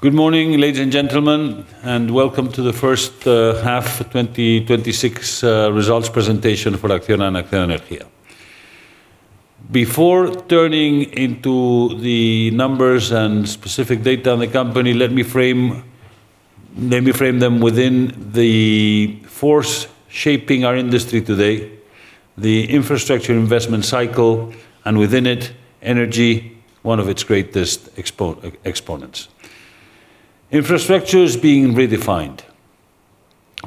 Good morning, ladies and gentlemen, and welcome to the first half 2026 results presentation for Acciona and Acciona Energía. Before turning into the numbers and specific data on the company, let me frame them within the force shaping our industry today, the infrastructure investment cycle, and within it, energy, one of its greatest exponents. Infrastructure is being redefined.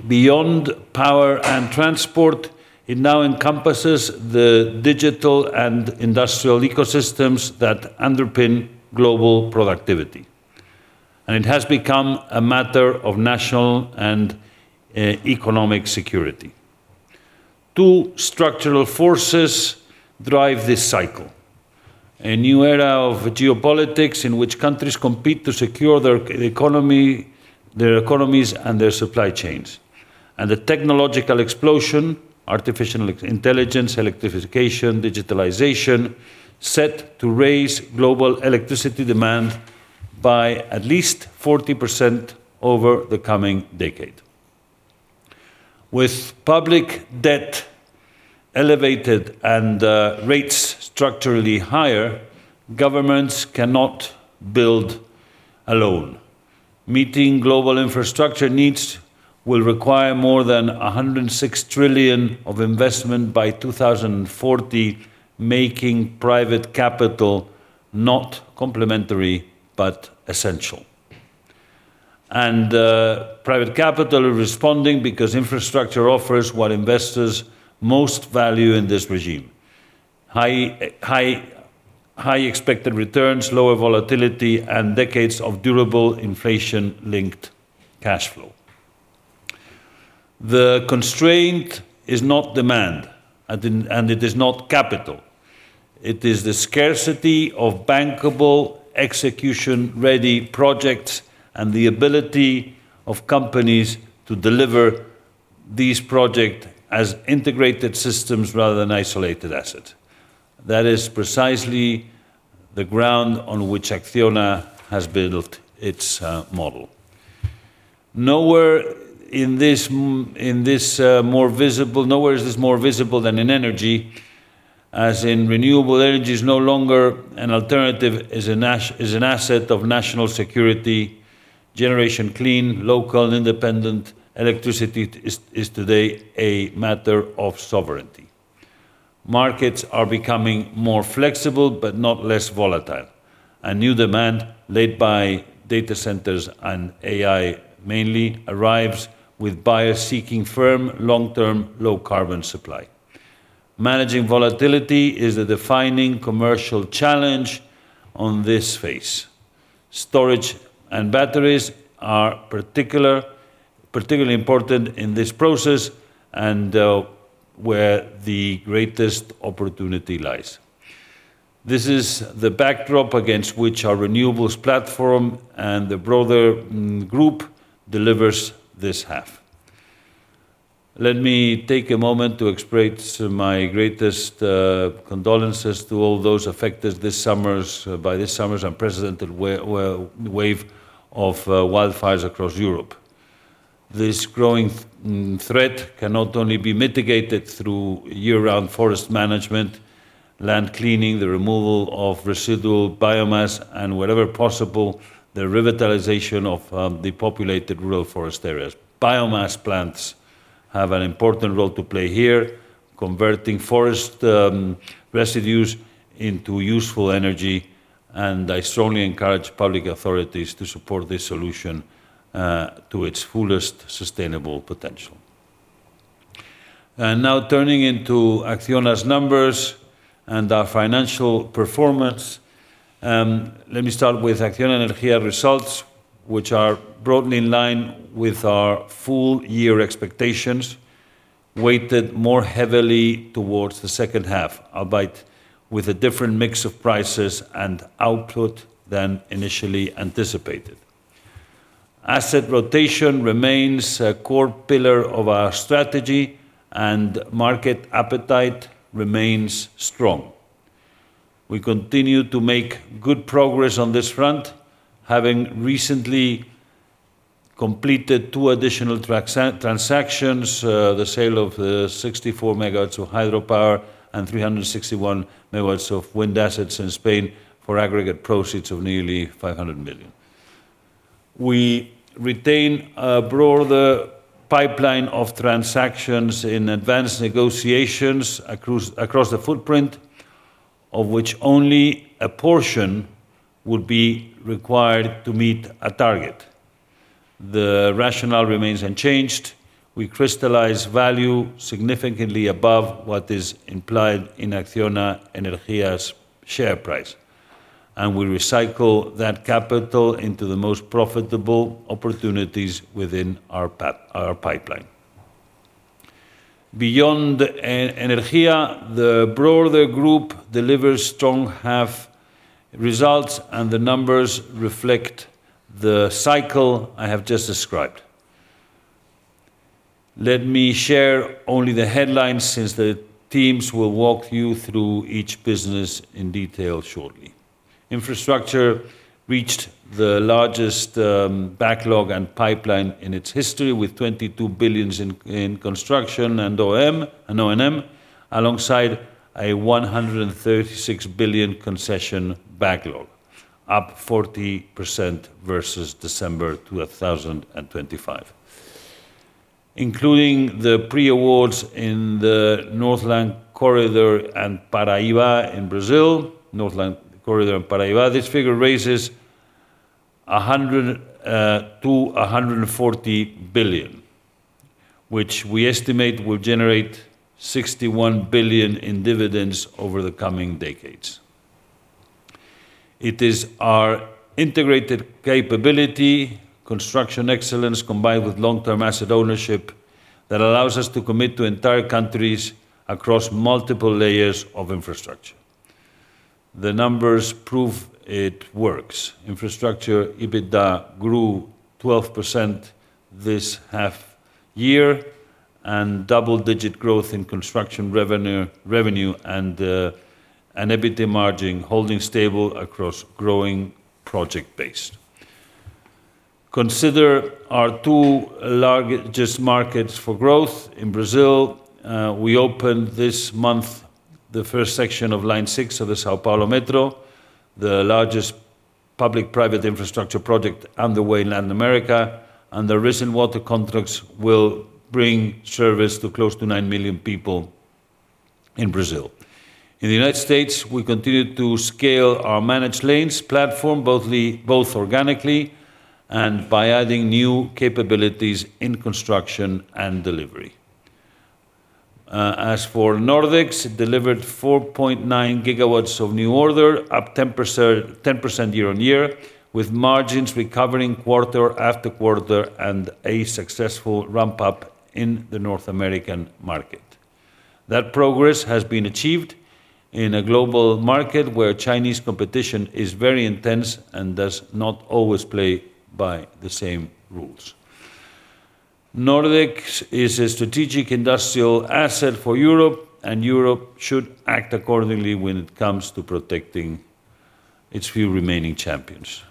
Beyond power and transport, it now encompasses the digital and industrial ecosystems that underpin global productivity. It has become a matter of national and economic security. Two structural forces drive this cycle. A new era of geopolitics in which countries compete to secure their economies and their supply chains. The technological explosion, artificial intelligence, electrification, digitalization, set to raise global electricity demand by at least 40% over the coming decade. With public debt elevated and rates structurally higher, governments cannot build alone. Meeting global infrastructure needs will require more than 106 trillion of investment by 2040, making private capital not complementary, but essential. Private capital are responding because infrastructure offers what investors most value in this regime: high expected returns, lower volatility, and decades of durable inflation-linked cash flow. The constraint is not demand, it is not capital. It is the scarcity of bankable, execution-ready projects and the ability of companies to deliver these projects as integrated systems rather than isolated assets. That is precisely the ground on which Acciona has built its model. Nowhere is this more visible than in energy, as renewable energy is no longer an alternative, is an asset of national security. Generation clean, local, independent electricity is today a matter of sovereignty. Markets are becoming more flexible but not less volatile. A new demand, led by data centers and AI mainly, arrives with buyers seeking firm, long-term, low-carbon supply. Managing volatility is a defining commercial challenge on this phase. Storage and batteries are particularly important in this process and where the greatest opportunity lies. This is the backdrop against which our renewables platform and the broader group delivers this half. Let me take a moment to express my greatest condolences to all those affected by this summer's unprecedented wave of wildfires across Europe. This growing threat can not only be mitigated through year-round forest management, land cleaning, the removal of residual biomass, and wherever possible, the revitalization of depopulated rural forest areas. Biomass plants have an important role to play here, converting forest residues into useful energy, and I strongly encourage public authorities to support this solution to its fullest sustainable potential. Now turning into Acciona's numbers and our financial performance. Let me start with Acciona Energía results, which are broadly in line with our full-year expectations, weighted more heavily towards the second half, albeit with a different mix of prices and output than initially anticipated. Asset rotation remains a core pillar of our strategy, and market appetite remains strong. We continue to make good progress on this front, having recently completed two additional transactions, the sale of 64 MW of hydropower and 361 MW of wind assets in Spain for aggregate proceeds of nearly 500 million. We retain a broader pipeline of transactions in advanced negotiations across the footprint, of which only a portion would be required to meet a target. The rationale remains unchanged. We crystallize value significantly above what is implied in Acciona Energía's share price. We recycle that capital into the most profitable opportunities within our pipeline. Beyond Energía, the broader group delivers strong half results. The numbers reflect the cycle I have just described. Let me share only the headlines since the teams will walk you through each business in detail shortly. Infrastructure reached the largest backlog and pipeline in its history, with 22 billion in construction and O&M alongside a 136 billion concession backlog, up 40% versus December 2025. Including the pre-awards in the Northland Corridor and Paraíba in Brazil. This figure raises to 140 billion, which we estimate will generate 61 billion in dividends over the coming decades. It is our integrated capability, construction excellence combined with long-term asset ownership that allows us to commit to entire countries across multiple layers of infrastructure. The numbers prove it works. Infrastructure EBITDA grew 12% this half year. Double-digit growth in construction revenue and an EBITDA margin holding stable across growing project base. Consider our two largest markets for growth. In Brazil, we opened this month the first section of line six of the São Paulo Metro, the largest public-private infrastructure project underway in Latin America. The recent water contracts will bring service to close to nine million people in Brazil. In the U.S., we continue to scale our managed lanes platform, both organically and by adding new capabilities in construction and delivery. As for Nordex, it delivered 4.9 GW of new order, up 10% year-on-year, with margins recovering quarter after quarter and a successful ramp-up in the North American market. That progress has been achieved in a global market where Chinese competition is very intense and does not always play by the same rules. Nordex is a strategic industrial asset for Europe. Europe should act accordingly when it comes to protecting its few remaining champions.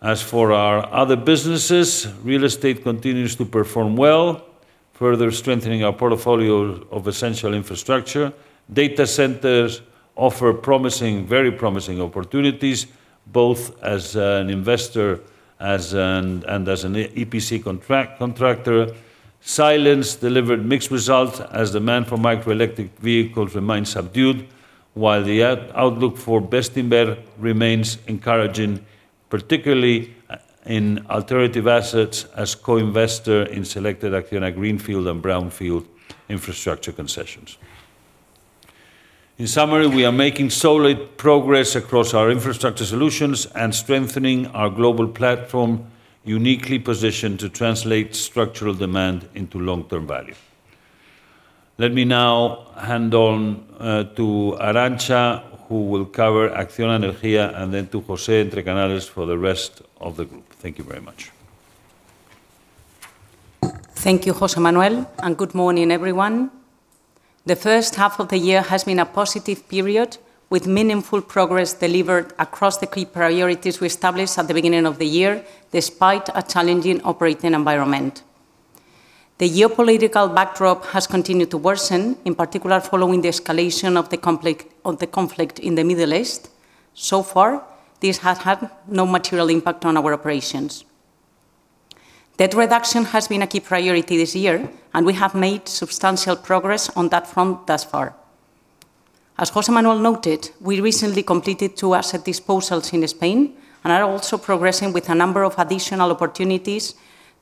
As for our other businesses, real estate continues to perform well, further strengthening our portfolio of essential infrastructure. Data centers offer very promising opportunities, both as an investor and as an EPC contractor. Silence delivered mixed results as demand for microelectric vehicles remains subdued, while the outlook for Bestinver remains encouraging, particularly in alternative assets as co-investor in selected Acciona greenfield and brownfield infrastructure concessions. In summary, we are making solid progress across our infrastructure solutions and strengthening our global platform, uniquely positioned to translate structural demand into long-term value. Let me now hand on to Arantza, who will cover Acciona Energía, and then to José Entrecanales for the rest of the group. Thank you very much. Thank you, José Manuel. Good morning, everyone. The first half of the year has been a positive period with meaningful progress delivered across the key priorities we established at the beginning of the year, despite a challenging operating environment. The geopolitical backdrop has continued to worsen, in particular following the escalation of the conflict in the Middle East. So far, this has had no material impact on our operations. Debt reduction has been a key priority this year. We have made substantial progress on that front thus far. As José Manuel noted, we recently completed two asset disposals in Spain and are also progressing with a number of additional opportunities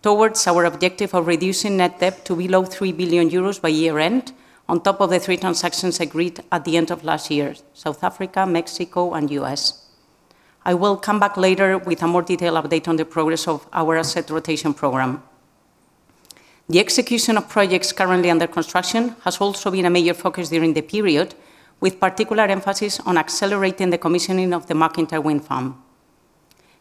towards our objective of reducing net debt to below 3 billion euros by year-end on top of the three transactions agreed at the end of last year, South Africa, Mexico and U.S. I will come back later with a more detailed update on the progress of our asset rotation program. The execution of projects currently under construction has also been a major focus during the period, with particular emphasis on accelerating the commissioning of the MacIntyre Wind Farm.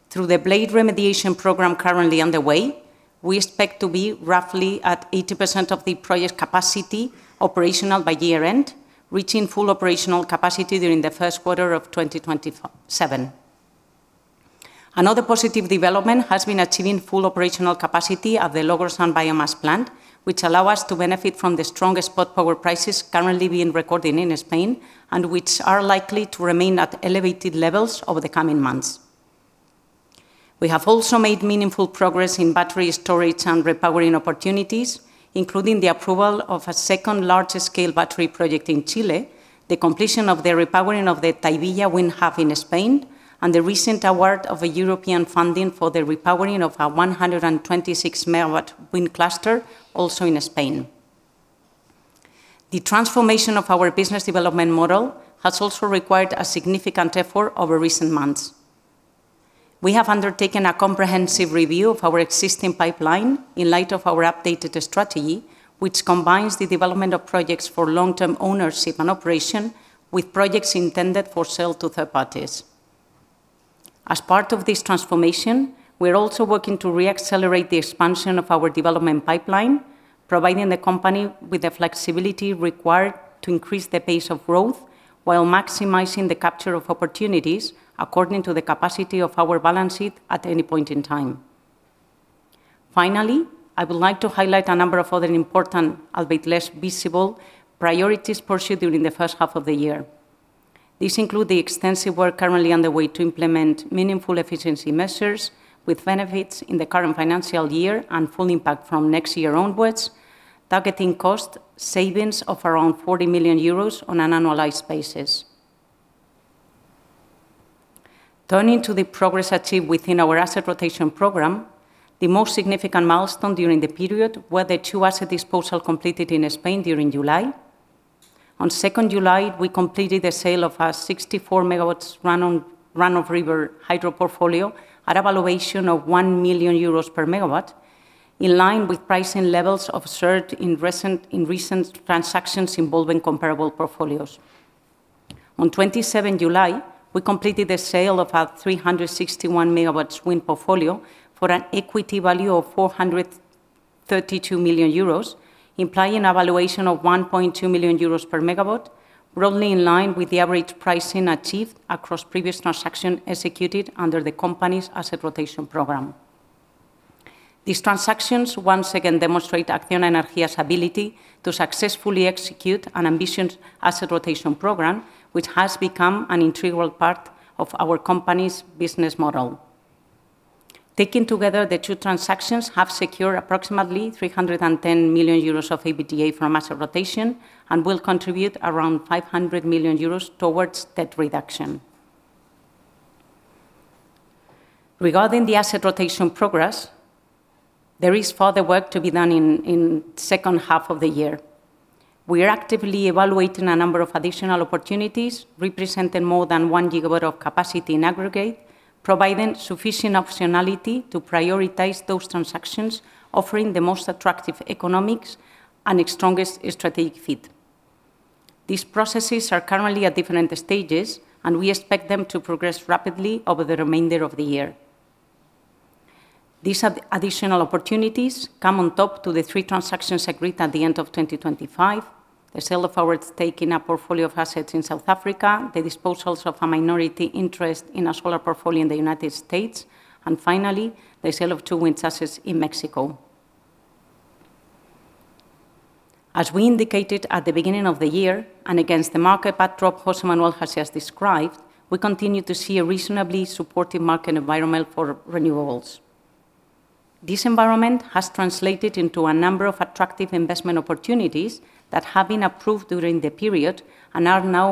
Through the blade remediation program currently underway, we expect to be roughly at 80% of the project capacity operational by year-end, reaching full operational capacity during the first quarter of 2027. Another positive development has been achieving full operational capacity at the Logrosán biomass plant, which allow us to benefit from the strongest spot power prices currently being recorded in Spain and which are likely to remain at elevated levels over the coming months. We have also made meaningful progress in battery storage and repowering opportunities, including the approval of a second large-scale battery project in Chile, the completion of the repowering of the Tahivilla Wind Farm in Spain. The recent award of a European funding for the repowering of a 126 MW wind cluster also in Spain. The transformation of our business development model has also required a significant effort over recent months. We have undertaken a comprehensive review of our existing pipeline in light of our updated strategy, which combines the development of projects for long-term ownership and operation with projects intended for sale to third parties. As part of this transformation, we are also working to re-accelerate the expansion of our development pipeline, providing the company with the flexibility required to increase the pace of growth while maximizing the capture of opportunities according to the capacity of our balance sheet at any point in time. Finally, I would like to highlight a number of other important, albeit less visible, priorities pursued during the first half of the year. These include the extensive work currently underway to implement meaningful efficiency measures with benefits in the current financial year and full impact from next year onwards, targeting cost savings of around 40 million euros on an annualized basis. Turning to the progress achieved within our asset rotation program, the most significant milestone during the period were the two asset disposal completed in Spain during July. On 2nd July, we completed the sale of our 64 MW run-of-river hydro portfolio at a valuation of 1 million euros per megawatt, in line with pricing levels observed in recent transactions involving comparable portfolios. On 27 July, we completed the sale of our 361 MW wind portfolio for an equity value of 432 million euros, implying a valuation of 1.2 million euros per megawatt, broadly in line with the average pricing achieved across previous transactions executed under the company's asset rotation program. These transactions once again demonstrate Acciona Energía's ability to successfully execute an ambitious asset rotation program, which has become an integral part of our company's business model. Taken together, the two transactions have secured approximately 310 million euros of EBITDA from asset rotation and will contribute around 500 million euros towards debt reduction. Regarding the asset rotation progress, there is further work to be done in second half of the year. We are actively evaluating a number of additional opportunities, representing more than 1 GW of capacity in aggregate, providing sufficient optionality to prioritize those transactions, offering the most attractive economics and the strongest strategic fit. These processes are currently at different stages, and we expect them to progress rapidly over the remainder of the year. These additional opportunities come on top to the three transactions agreed at the end of 2025, the sale of our stake in a portfolio of assets in South Africa, the disposals of a minority interest in a solar portfolio in the U.S., and finally, the sale of two wind assets in Mexico. As we indicated at the beginning of the year, and against the market backdrop José Manuel has just described, we continue to see a reasonably supportive market environment for renewables. This environment has translated into a number of attractive investment opportunities that have been approved during the period and are now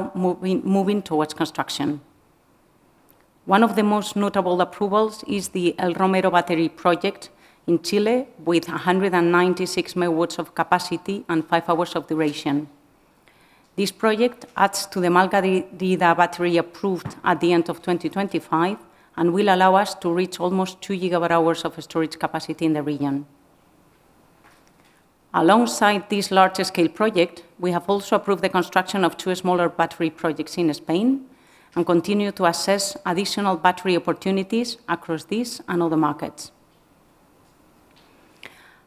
moving towards construction. One of the most notable approvals is the El Romero battery project in Chile with 196 MW of capacity and five hours of duration. This project adds to the Margarita battery approved at the end of 2025 and will allow us to reach almost 2 GWh of storage capacity in the region. Alongside this large-scale project, we have also approved the construction of two smaller battery projects in Spain and continue to assess additional battery opportunities across these and other markets.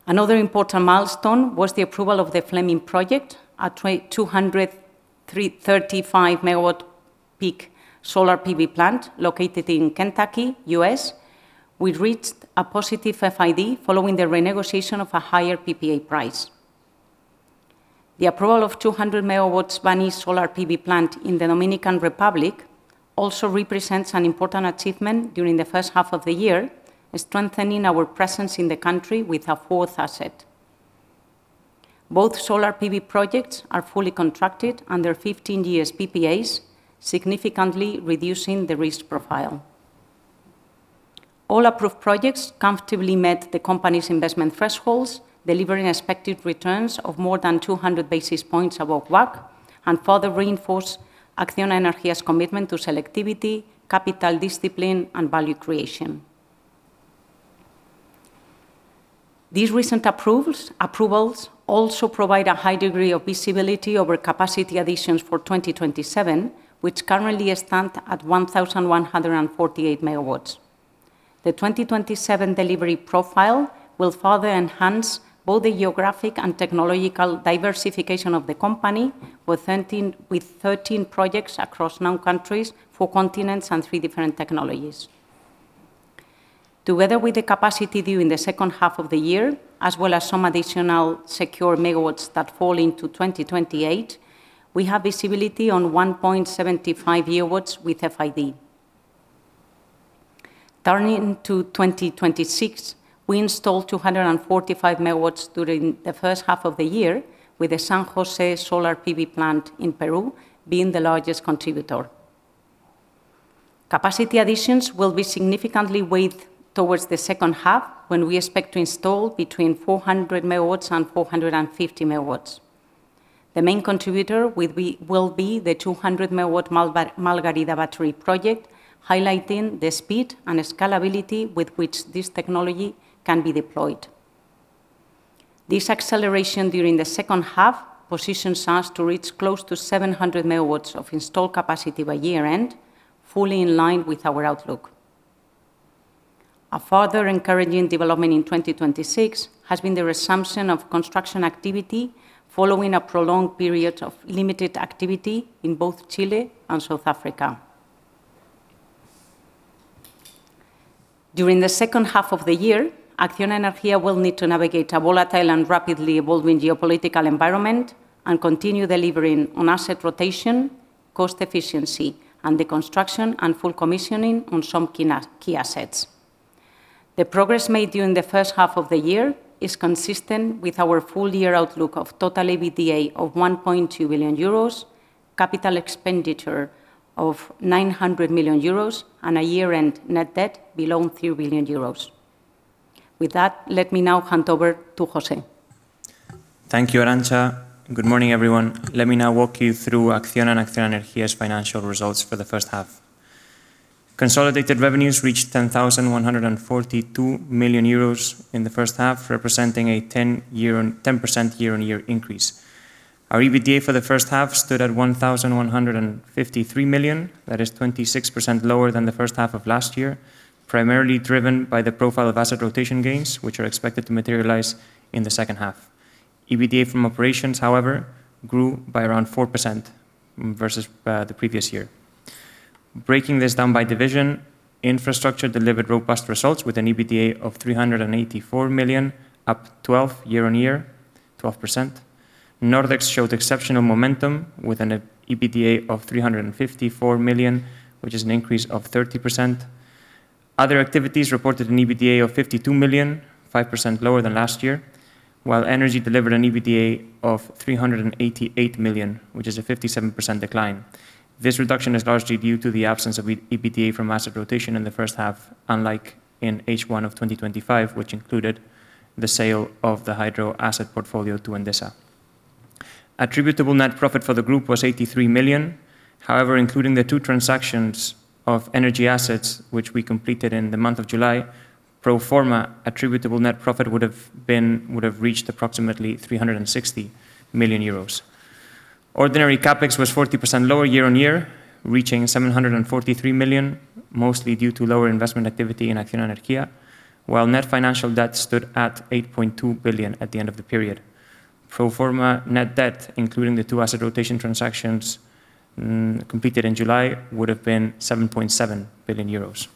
Another important milestone was the approval of the Fleming project, a 235 MW peak solar PV plant located in Kentucky, U.S. We reached a positive FID following the renegotiation of a higher PPA price. The approval of 200 MW Baní solar PV plant in the Dominican Republic also represents an important achievement during the first half of the year, strengthening our presence in the country with a fourth asset. Both solar PV projects are fully contracted under 15-year PPAs, significantly reducing the risk profile. All approved projects comfortably met the company's investment thresholds, delivering expected returns of more than 200 basis points above WACC, and further reinforce Acciona Energía's commitment to selectivity, capital discipline, and value creation. These recent approvals also provide a high degree of visibility over capacity additions for 2027, which currently stand at 1,148 MW. The 2027 delivery profile will further enhance both the geographic and technological diversification of the company with 13 projects across nine countries, four continents, and three different technologies. Together with the capacity due in the second half of the year, as well as some additional secure megawatts that fall into 2028, we have visibility on 1.75 GW with FID. Turning to 2026, we installed 245 MW during the first half of the year, with the San José solar PV plant in Peru being the largest contributor. Capacity additions will be significantly weighed towards the second half, when we expect to install between 400 MW and 450 MW. The main contributor will be the 200 MW Margarita battery project, highlighting the speed and scalability with which this technology can be deployed. This acceleration during the second half positions us to reach close to 700 MW of installed capacity by year-end, fully in line with our outlook. A further encouraging development in 2026 has been the resumption of construction activity following a prolonged period of limited activity in both Chile and South Africa. During the second half of the year, Acciona Energía will need to navigate a volatile and rapidly evolving geopolitical environment and continue delivering on asset rotation, cost efficiency, and the construction and full commissioning on some key assets. The progress made during the first half of the year is consistent with our full year outlook of total EBITDA of 1.2 billion euros, capital expenditure of 900 million euros, and a year-end net debt below 3 billion euros. With that, let me now hand over to José. Thank you, Arantza. Good morning, everyone. Let me now walk you through Acciona and Acciona Energía's financial results for the first half. Consolidated revenues reached 10,142 million euros in the first half, representing a 10% year-on-year increase. Our EBITDA for the first half stood at 1,153 million. That is 26% lower than the first half of last year, primarily driven by the profile of asset rotation gains, which are expected to materialize in the second half. EBITDA from operations, however, grew by around 4% versus the previous year. Breaking this down by division, Infrastructure delivered robust results with an EBITDA of 384 million, up 12% year-on-year. Nordex showed exceptional momentum with an EBITDA of 354 million, which is an increase of 30%. Other activities reported an EBITDA of 52 million, 5% lower than last year, while Energy delivered an EBITDA of 388 million, which is a 57% decline. This reduction is largely due to the absence of EBITDA from asset rotation in the first half, unlike in H1 2025, which included the sale of the hydro asset portfolio to Endesa. Attributable net profit for the group was 83 million. However, including the two transactions of energy assets which we completed in the month of July, pro forma attributable net profit would have reached approximately 360 million euros. Ordinary CapEx was 40% lower year-on-year, reaching 743 million, mostly due to lower investment activity in Acciona Energía. While net financial debt stood at 8.2 billion at the end of the period. Pro forma net debt, including the two asset rotation transactions completed in July, would have been 7.7 billion euros.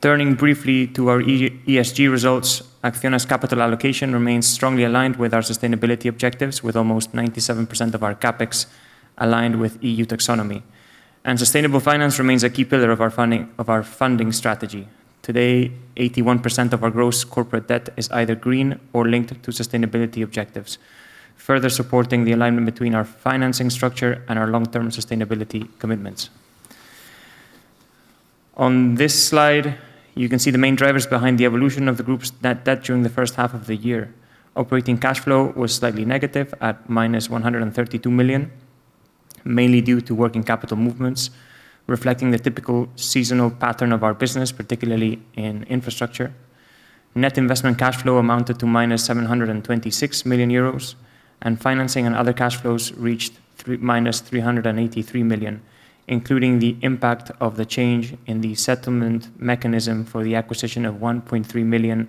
Turning briefly to our ESG results, Acciona's capital allocation remains strongly aligned with our sustainability objectives, with almost 97% of our CapEx aligned with EU taxonomy. Sustainable finance remains a key pillar of our funding strategy. Today, 81% of our gross corporate debt is either green or linked to sustainability objectives, further supporting the alignment between our financing structure and our long-term sustainability commitments. On this slide, you can see the main drivers behind the evolution of the group's net debt during the first half of the year. Operating cash flow was slightly negative at -132 million, mainly due to working capital movements, reflecting the typical seasonal pattern of our business, particularly in Infrastructure. Net investment cash flow amounted to -726 million euros, and financing and other cash flows reached -383 million, including the impact of the change in the settlement mechanism for the acquisition of 1.3 million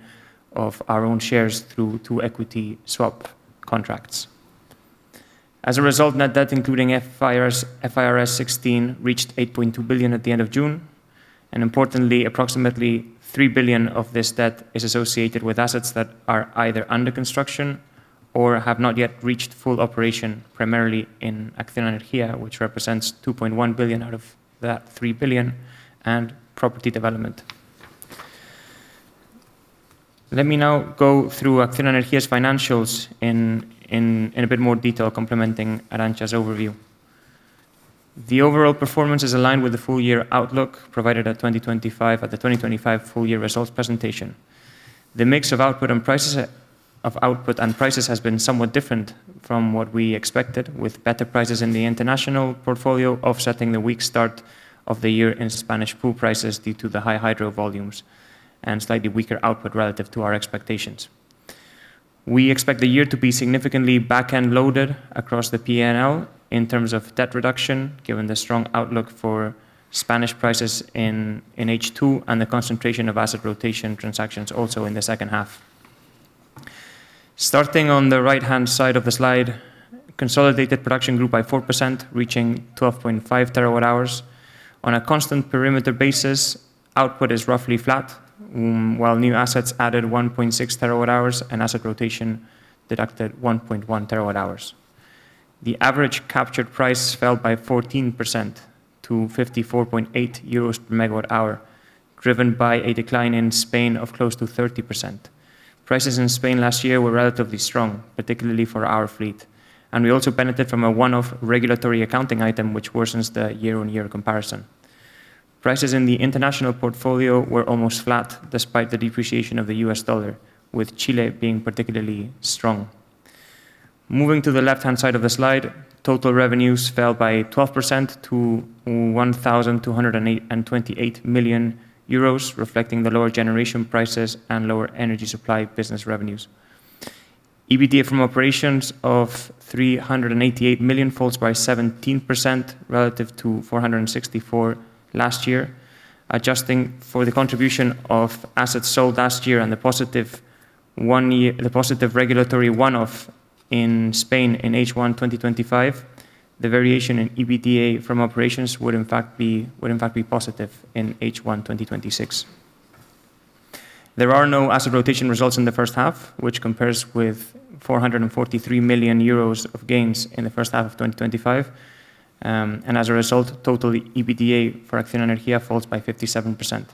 of our own shares through two equity swap contracts. As a result, net debt, including IFRS 16, reached 8.2 billion at the end of June. Importantly, approximately 3 billion of this debt is associated with assets that are either under construction or have not yet reached full operation, primarily in Acciona Energía, which represents 2.1 billion out of that 3 billion and property development. Let me now go through Acciona Energía's financials in a bit more detail, complementing Arantza's overview. The overall performance is aligned with the full-year outlook provided at the 2025 full-year results presentation. The mix of output and prices has been somewhat different from what we expected, with better prices in the international portfolio offsetting the weak start of the year in Spanish pool prices due to the high hydro volumes and slightly weaker output relative to our expectations. We expect the year to be significantly back-end loaded across the P&L in terms of debt reduction, given the strong outlook for Spanish prices in H2 and the concentration of asset rotation transactions also in the second half. Starting on the right-hand side of the slide, consolidated production grew by 4%, reaching 12.5 TWh. On a constant perimeter basis, output is roughly flat, while new assets added 1.6 TWh and asset rotation deducted 1.1 TWh. The average captured price fell by 14% to 54.8 euros per megawatt hour, driven by a decline in Spain of close to 30%. Prices in Spain last year were relatively strong, particularly for our fleet, and we also benefited from a one-off regulatory accounting item, which worsens the year-on-year comparison. Prices in the international portfolio were almost flat despite the depreciation of the US dollar, with Chile being particularly strong. Moving to the left-hand side of the slide, total revenues fell by 12% to 1,228 million euros, reflecting the lower generation prices and lower energy supply business revenues. EBITDA from operations of 388 million falls by 17% relative to 464 million last year. Adjusting for the contribution of assets sold last year and the positive regulatory one-off in Spain in H1 2025, the variation in EBITDA from operations would in fact be positive in H1 2026. There are no asset rotation results in the first half, which compares with 443 million euros of gains in the first half of 2025. As a result, total EBITDA for Acciona Energía falls by 57%.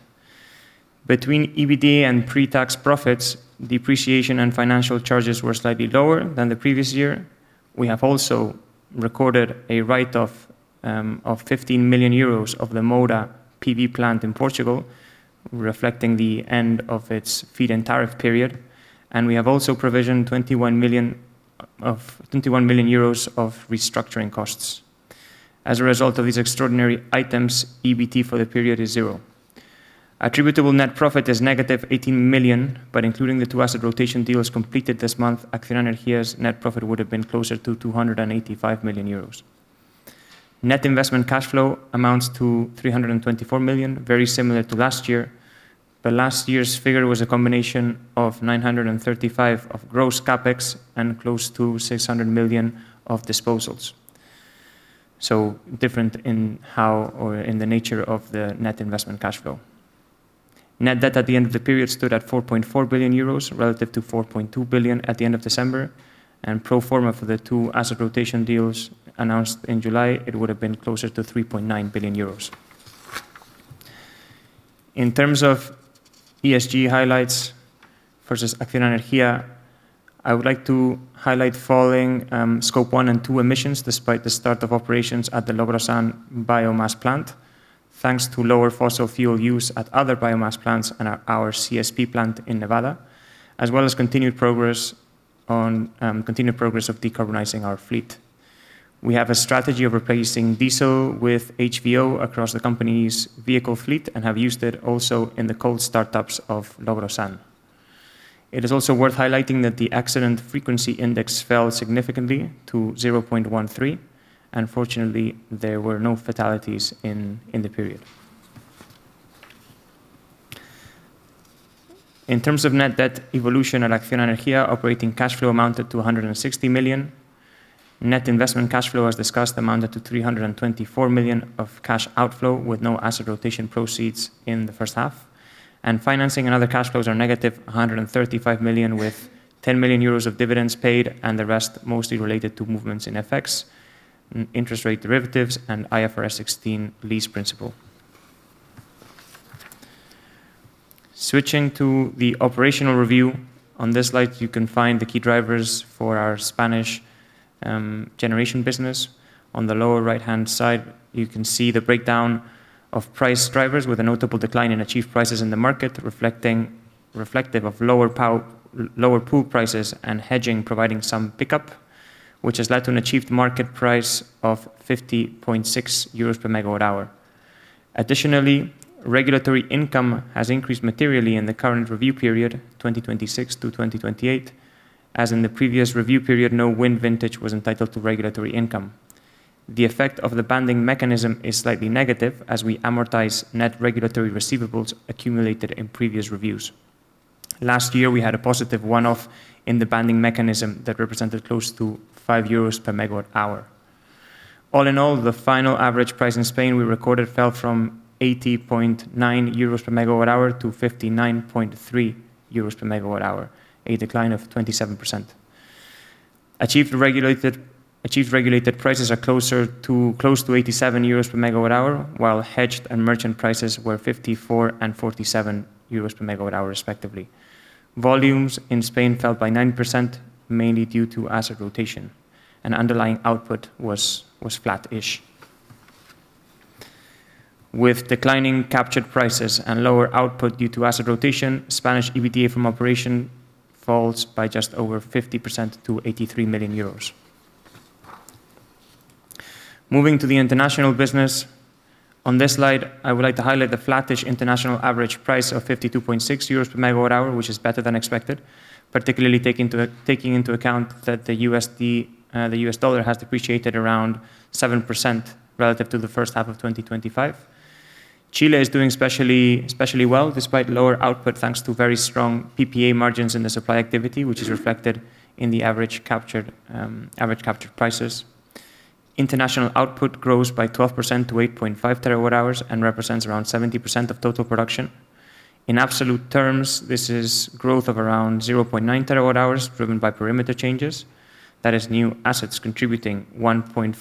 Between EBITDA and pre-tax profits, depreciation and financial charges were slightly lower than the previous year. We have also recorded a write-off of 15 million euros of the Moura PV plant in Portugal, reflecting the end of its feed-in tariff period. We have also provisioned 21 million of restructuring costs. As a result of these extraordinary items, EBT for the period is zero. Attributable net profit is negative 18 million, but including the two asset rotation deals completed this month, Acciona Energía's net profit would have been closer to 285 million euros. Net investment cash flow amounts to 324 million, very similar to last year, but last year's figure was a combination of 935 million of gross CapEx and close to 600 million of disposals. Different in the nature of the net investment cash flow. Net debt at the end of the period stood at 4.4 billion euros, relative to 4.2 billion at the end of December. Pro forma for the two asset rotation deals announced in July, it would have been closer to 3.9 billion euros. In terms of ESG highlights versus Acciona Energía, I would like to highlight falling scope one and two emissions despite the start of operations at the Logrosán biomass plant, thanks to lower fossil fuel use at other biomass plants and our CSP plant in Nevada, as well as continued progress of decarbonizing our fleet. We have a strategy of replacing diesel with HVO across the company's vehicle fleet and have used it also in the cold startups of Logrosán. It is also worth highlighting that the accident frequency index fell significantly to 0.13, and fortunately, there were no fatalities in the period. In terms of net debt evolution at Acciona Energía, operating cash flow amounted to 160 million. Net investment cash flow, as discussed, amounted to 324 million of cash outflow, with no asset rotation proceeds in the first half. Financing and other cash flows are negative 135 million, with 10 million euros of dividends paid and the rest mostly related to movements in FX, interest rate derivatives, and IFRS 16 lease principle. Switching to the operational review. On this slide, you can find the key drivers for our Spanish generation business. On the lower right-hand side, you can see the breakdown of price drivers with a notable decline in achieved prices in the market, reflective of lower pool prices and hedging providing some pickup, which has led to an achieved market price of 50.6 euros per megawatt hour. Additionally, regulatory income has increased materially in the current review period, 2026 to 2028. As in the previous review period, no wind vintage was entitled to regulatory income. The effect of the banding mechanism is slightly negative as we amortize net regulatory receivables accumulated in previous reviews. Last year, we had a positive one-off in the banding mechanism that represented close to 5 euros per megawatt hour. All in all, the final average price in Spain we recorded fell from 80.9 euros per megawatt hour to 59.3 euros per megawatt hour, a decline of 27%. Achieved regulated prices are close to 87 euros per megawatt hour, while hedged and merchant prices were 54 and 47 euros per megawatt hour, respectively. Volumes in Spain fell by 9%, mainly due to asset rotation. Underlying output was flat-ish. With declining captured prices and lower output due to asset rotation, Spanish EBITDA from operation falls by just over 50% to 83 million euros. Moving to the international business. On this slide, I would like to highlight the flat-ish international average price of 52.6 euros per megawatt hour, which is better than expected, particularly taking into account that the US dollar has depreciated around 7% relative to the first half of 2025. Chile is doing especially well despite lower output, thanks to very strong PPA margins in the supply activity, which is reflected in the average captured prices. International output grows by 12% to 8.5 TWh and represents around 70% of total production. In absolute terms, this is growth of around 0.9 TWh, driven by perimeter changes. That is new assets contributing 1.4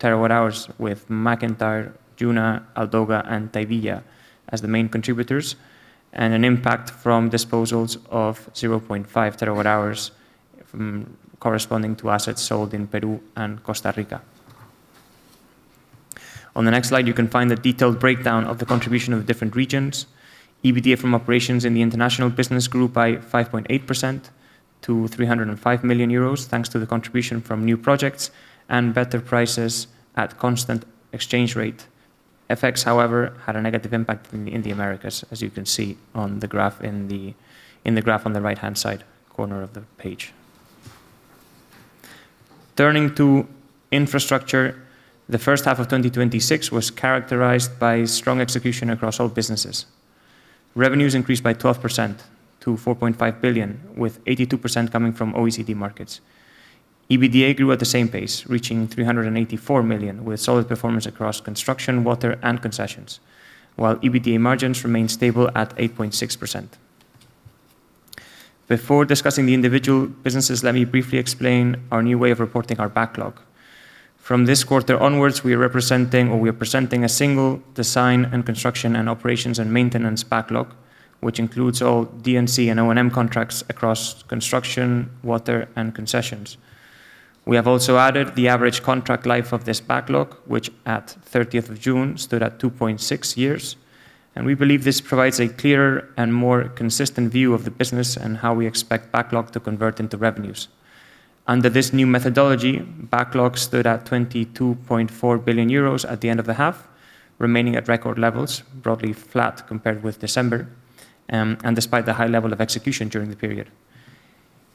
TWh with MacIntyre, Juna, Aldoga, and Tagua as the main contributors, and an impact from disposals of 0.5 TWh corresponding to assets sold in Peru and Costa Rica. On the next slide, you can find the detailed breakdown of the contribution of the different regions. EBITDA from operations in the international business grew by 5.8% to 305 million euros, thanks to the contribution from new projects and better prices at constant exchange rate. FX, however, had a negative impact in the Americas, as you can see on the graph on the right-hand side corner of the page. Turning to infrastructure, the first half of 2026 was characterized by strong execution across all businesses. Revenues increased by 12% to 4.5 billion, with 82% coming from OECD markets. EBITDA grew at the same pace, reaching 384 million, with solid performance across construction, water, and concessions, while EBITDA margins remained stable at 8.6%. Before discussing the individual businesses, let me briefly explain our new way of reporting our backlog. From this quarter onwards, we are presenting a single design and construction and operations and maintenance backlog, which includes all D&C and O&M contracts across construction, water, and concessions. We have also added the average contract life of this backlog, which at 30th of June stood at 2.6 years, and we believe this provides a clearer and more consistent view of the business and how we expect backlog to convert into revenues. Under this new methodology, backlog stood at 22.4 billion euros at the end of the half, remaining at record levels, broadly flat compared with December, and despite the high level of execution during the period.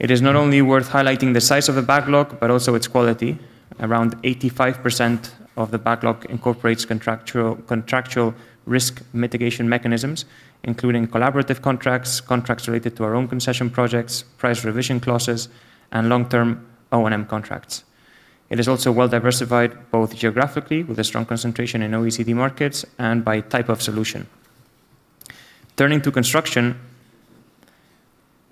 It is not only worth highlighting the size of the backlog, but also its quality. Around 85% of the backlog incorporates contractual risk mitigation mechanisms, including collaborative contracts related to our own concession projects, price revision clauses, and long-term O&M contracts. It is also well-diversified, both geographically, with a strong concentration in OECD markets, and by type of solution. Turning to construction,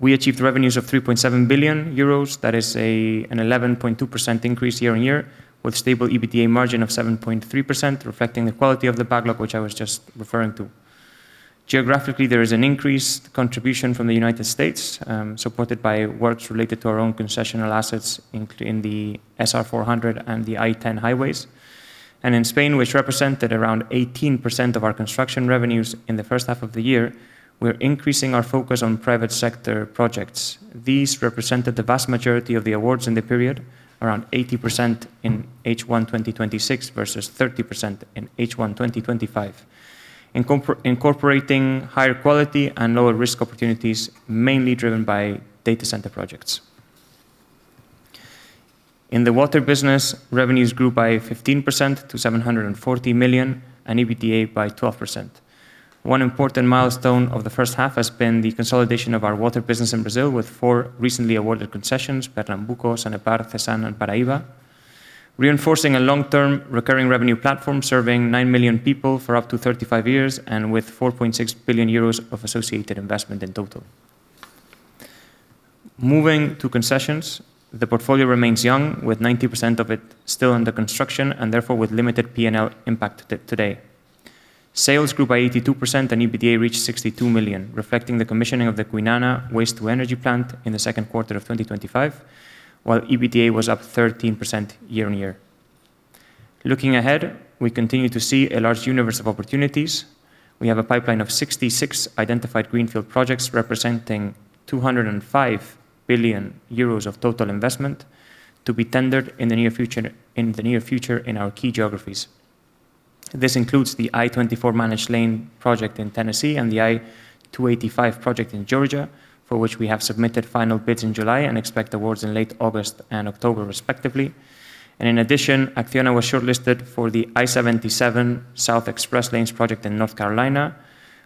we achieved revenues of 3.7 billion euros. That is an 11.2% increase year-over-year with stable EBITDA margin of 7.3%, reflecting the quality of the backlog, which I was just referring to. Geographically, there is an increased contribution from the U.S., supported by works related to our own concessional assets in the SR 400 and the I-10 highways. In Spain, which represented around 18% of our construction revenues in the first half of the year, we're increasing our focus on private sector projects. These represented the vast majority of the awards in the period, around 80% in H1 2026 versus 30% in H1 2025, incorporating higher quality and lower risk opportunities, mainly driven by data center projects. In the water business, revenues grew by 15% to 740 million and EBITDA by 12%. One important milestone of the first half has been the consolidation of our water business in Brazil, with four recently awarded concessions, Pernambuco, Sanepar, Cesan, and Paraíba, reinforcing a long-term recurring revenue platform serving 9 million people for up to 35 years and with 4.6 billion euros of associated investment in total. Moving to concessions, the portfolio remains young, with 90% of it still under construction and therefore with limited P&L impact today. Sales grew by 82% and EBITDA reached 62 million, reflecting the commissioning of the Kwinana waste-to-energy plant in the second quarter of 2025, while EBITDA was up 13% year-over-year. Looking ahead, we continue to see a large universe of opportunities. We have a pipeline of 66 identified greenfield projects representing 205 billion euros of total investment to be tendered in the near future in our key geographies. This includes the I-24 managed lane project in Tennessee and the I-285 project in Georgia, for which we have submitted final bids in July and expect awards in late August and October respectively. In addition, Acciona was shortlisted for the I-77 South Express Lanes project in North Carolina.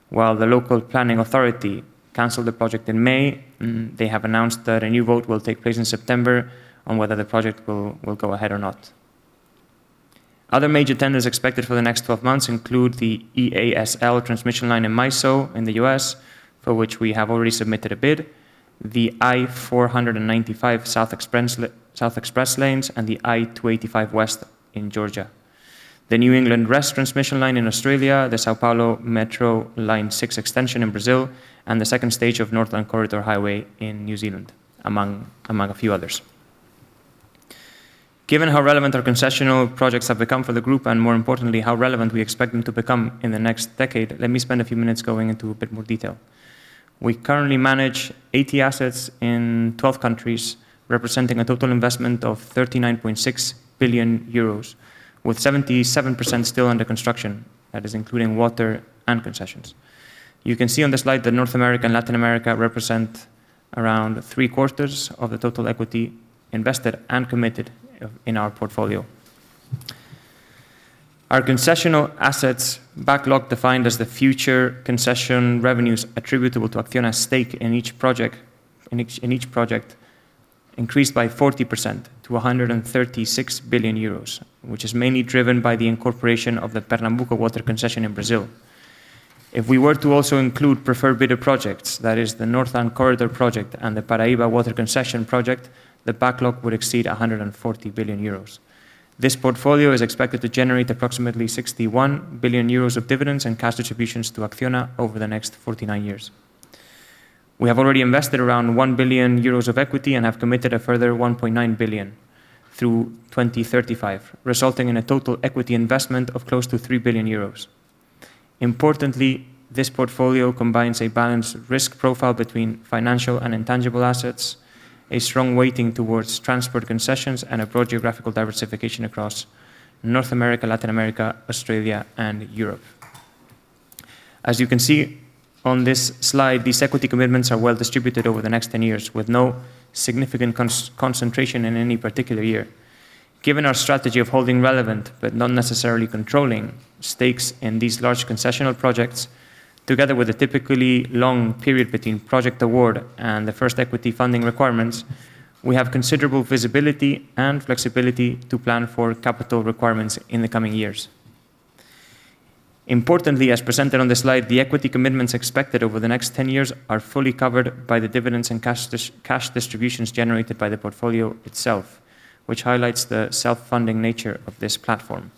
While the local planning authority canceled the project in May, they have announced that a new vote will take place in September on whether the project will go ahead or not. Other major tenders expected for the next 12 months include the EASL transmission line in MISO in the U.S., for which we have already submitted a bid, the I-495 South Express Lanes, the I-285 West in Georgia, the New England REZ transmission line in Australia, the São Paulo Metro Line 6 extension in Brazil, the second stage of Northland Corridor Highway in New Zealand, among a few others. Given how relevant our concessional projects have become for the group, more importantly, how relevant we expect them to become in the next decade, let me spend a few minutes going into a bit more detail. We currently manage 80 assets in 12 countries, representing a total investment of 39.6 billion euros, with 77% still under construction. That is including water and concessions. You can see on the slide that North America and Latin America represent around three-quarters of the total equity invested and committed in our portfolio. Our concessional assets backlog, defined as the future concession revenues attributable to Acciona stake in each project, increased by 40% to 136 billion euros, which is mainly driven by the incorporation of the Pernambuco water concession in Brazil. If we were to also include preferred bidder projects, that is the Northland Corridor project and the Paraíba water concession project, the backlog would exceed 140 billion euros. This portfolio is expected to generate approximately 61 billion euros of dividends and cash distributions to Acciona over the next 49 years. We have already invested around 1 billion euros of equity and have committed a further 1.9 billion through 2035, resulting in a total equity investment of close to 3 billion euros. Importantly, this portfolio combines a balanced risk profile between financial and intangible assets, a strong weighting towards transport concessions, a broad geographical diversification across North America, Latin America, Australia, and Europe. As you can see on this slide, these equity commitments are well-distributed over the next 10 years, with no significant concentration in any particular year. Given our strategy of holding relevant, but not necessarily controlling, stakes in these large concessional projects, together with a typically long period between project award and the first equity funding requirements, we have considerable visibility and flexibility to plan for capital requirements in the coming years. Importantly, as presented on the slide, the equity commitments expected over the next 10 years are fully covered by the dividends and cash distributions generated by the portfolio itself, which highlights the self-funding nature of this platform.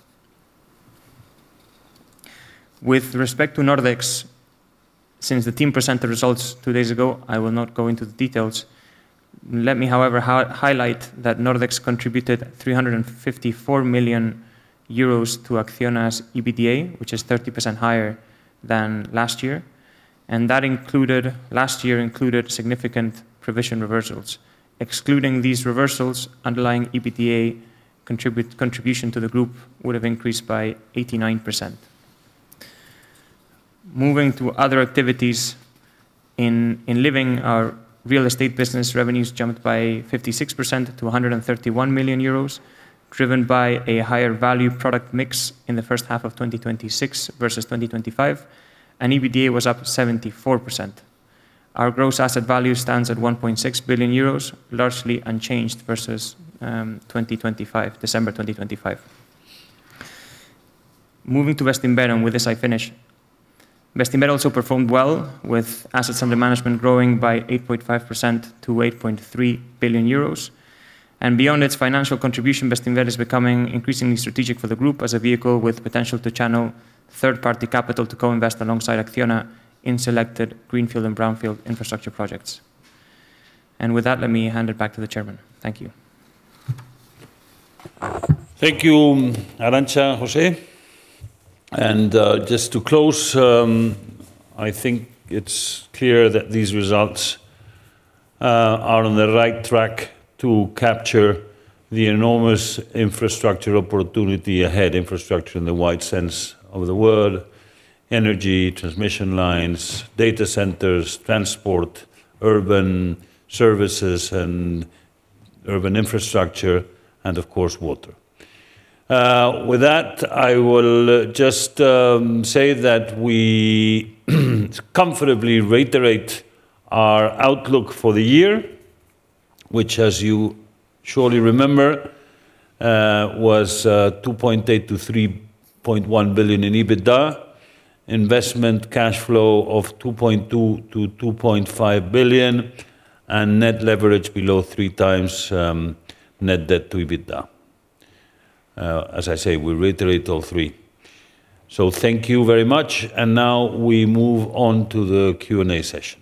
With respect to Nordex, since the team presented results two days ago, I will not go into the details. Let me, however, highlight that Nordex contributed 354 million euros to Acciona's EBITDA, which is 30% higher than last year. Last year included significant provision reversals. Excluding these reversals, underlying EBITDA contribution to the group would have increased by 89%. Moving to other activities. In Living, our real estate business revenues jumped by 56% to 131 million euros, driven by a higher value product mix in the first half of 2026 versus 2025, and EBITDA was up 74%. Our gross asset value stands at 1.6 billion euros, largely unchanged versus December 2025. Moving to Bestinver, with this I finish. Bestinver also performed well, with assets under management growing by 8.5% to 8.3 billion euros. Beyond its financial contribution, Bestinver is becoming increasingly strategic for the group as a vehicle with potential to channel third-party capital to co-invest alongside Acciona in selected greenfield and brownfield infrastructure projects. With that, let me hand it back to the Chairman. Thank you. Thank you, Arantza and José. Just to close, I think it's clear that these results are on the right track to capture the enormous infrastructure opportunity ahead, infrastructure in the wide sense of the word, energy, transmission lines, data centers, transport, urban services, and urban infrastructure, and of course, water. With that, I will just say that we comfortably reiterate our outlook for the year, which, as you surely remember, was 2.8 billion-3.1 billion in EBITDA, investment cash flow of 2.2 billion-2.5 billion, and net leverage below three times net debt to EBITDA. As I say, we reiterate all three. Thank you very much. Now we move on to the Q&A session.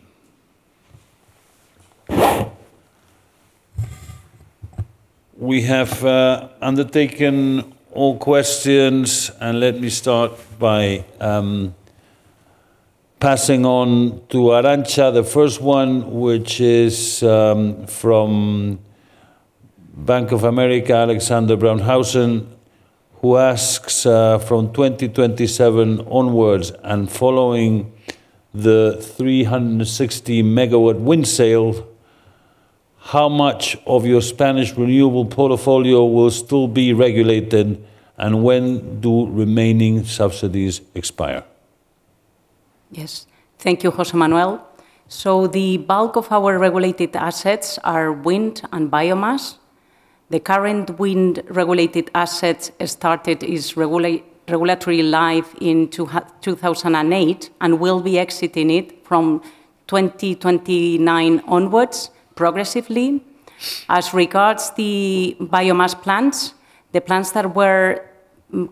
We have undertaken all questions, let me start by passing on to Arantza the first one, which is from Bank of America, Alexander Braun, who asks, "From 2027 onwards, following the 360 MW wind sale, how much of your Spanish renewable portfolio will still be regulated, when do remaining subsidies expire? Yes. Thank you, José Manuel. The bulk of our regulated assets are wind and biomass. The current wind-regulated assets started its regulatory life in 2008 and will be exiting it from 2029 onwards progressively. As regards the biomass plants, the plants that were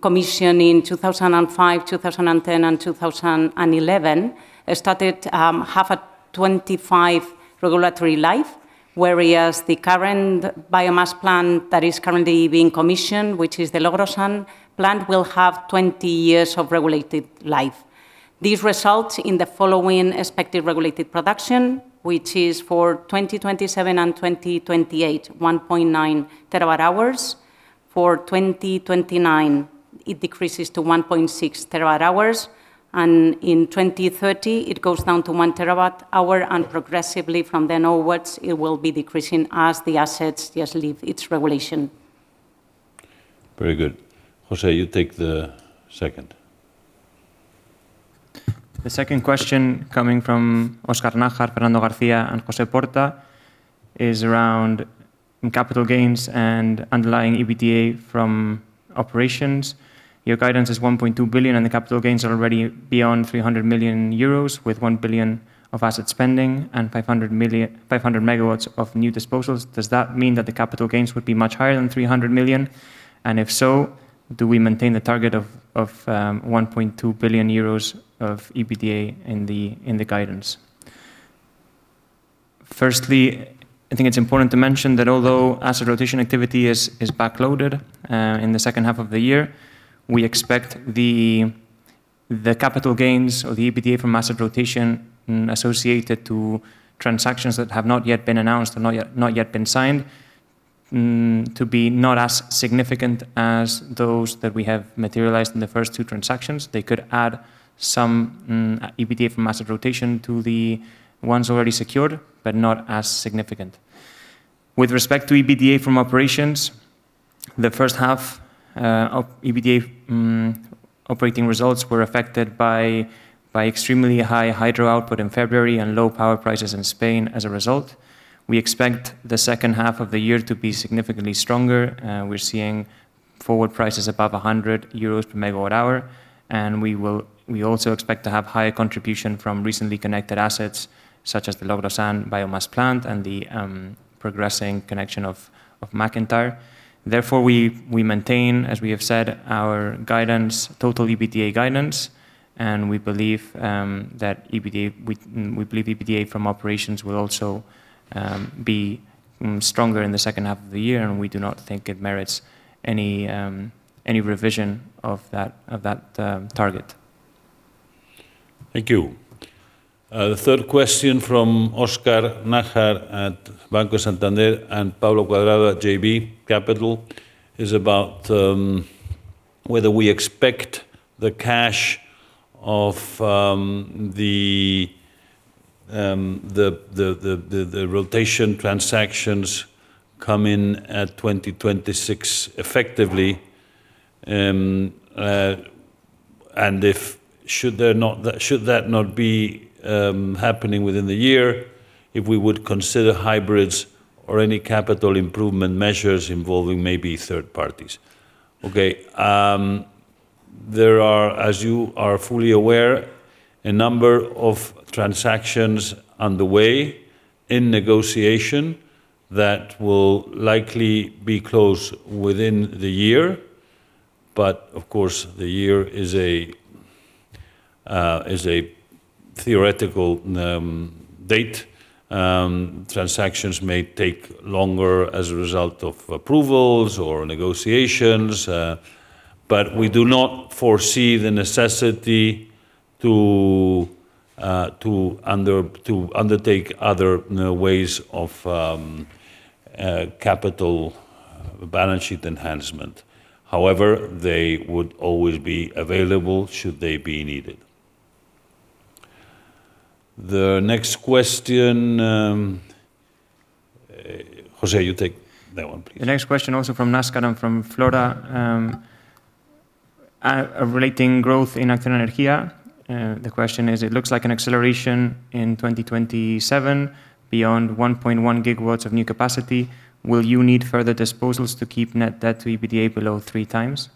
commissioned in 2005, 2010, and 2011, started half at 25 regulatory life, whereas the current biomass plant that is currently being commissioned, which is the Logrosán plant, will have 20 years of regulated life. These result in the following expected regulated production, which is for 2027 and 2028, 1.9 TWh. For 2029, it decreases to 1.6 TWh, and in 2030 it goes down to one terawatt hour, and progressively from then onwards it will be decreasing as the assets just leave its regulation. Very good. José, you take the second. The second question coming from Óscar Nájar, Fernando García, and José Porta is around capital gains and underlying EBITDA from operations. Your guidance is 1.2 billion and the capital gains are already beyond 300 million euros with 1 billion of asset spending and 500 MW of new disposals. Does that mean that the capital gains would be much higher than 300 million? If so, do we maintain the target of 1.2 billion euros of EBITDA in the guidance? Firstly, I think it is important to mention that although asset rotation activity is back-loaded in the second half of the year, we expect the capital gains or the EBITDA from asset rotation associated to transactions that have not yet been announced or not yet been signed to be not as significant as those that we have materialized in the first two transactions. They could add some EBITDA from asset rotation to the ones already secured, but not as significant. With respect to EBITDA from operations, the first half of EBITDA operating results were affected by extremely high hydro output in February and low power prices in Spain as a result. We expect the second half of the year to be significantly stronger. We are seeing forward prices above 100 euros per megawatt hour, and we also expect to have higher contribution from recently connected assets such as the Logrosán biomass plant and the progressing connection of MacIntyre. Therefore, we maintain, as we have said, our total EBITDA guidance, and we believe EBITDA from operations will also be stronger in the second half of the year, and we do not think it merits any revision of that target. Thank you. The third question from Óscar Nájar at Banco Santander and Pablo Cuadrado at JB Capital is about whether we expect the cash of the rotation transactions come in at 2026 effectively, and if should that not be happening within the year, if we would consider hybrids or any capital improvement measures involving maybe third parties. Okay. There are, as you are fully aware, a number of transactions on the way in negotiation that will likely be closed within the year. Of course, the year is a theoretical date. Transactions may take longer as a result of approvals or negotiations. We do not foresee the necessity to undertake other ways of capital balance sheet enhancement. However, they would always be available should they be needed. The next question, José, you take that one, please. The next question also from Óscar and from Flora, relating growth in Acciona Energía. The question is: it looks like an acceleration in 2027 beyond 1.1 GW of new capacity. Will you need further disposals to keep net debt to EBITDA below three times?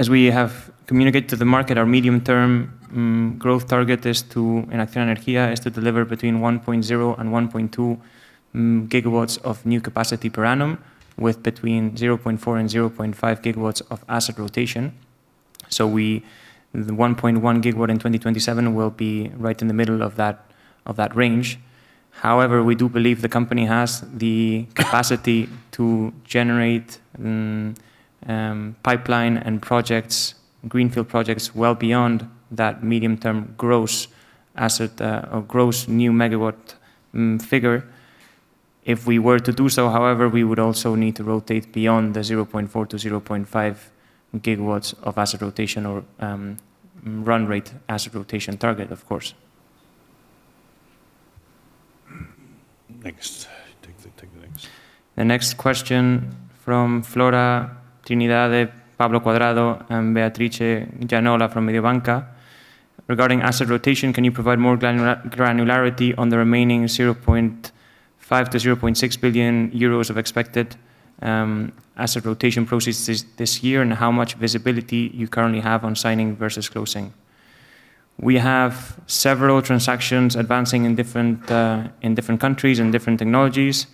As we have communicated to the market, our medium-term growth target in Acciona Energía is to deliver between 1.0 GW and 1.2 GW of new capacity per annum, with between 0.4 GW and 0.5 GW of asset rotation. The 1.1 GW in 2027 will be right in the middle of that range. However, we do believe the company has the capacity to generate pipeline and projects, greenfield projects, well beyond that medium-term gross asset or gross new megawatt figure. If we were to do so, however, we would also need to rotate beyond the 0.4 GW to 0.5 GW of asset rotation or run rate asset rotation target, of course. Next. Take the next. The next question from Flora Trindade, Pablo Cuadrado, and Beatrice Gianola from Mediobanca. Regarding asset rotation, can you provide more granularity on the remaining 0.5 billion to 0.6 billion euros of expected asset rotation proceeds this year and how much visibility you currently have on signing versus closing? We have several transactions advancing in different countries and different technologies.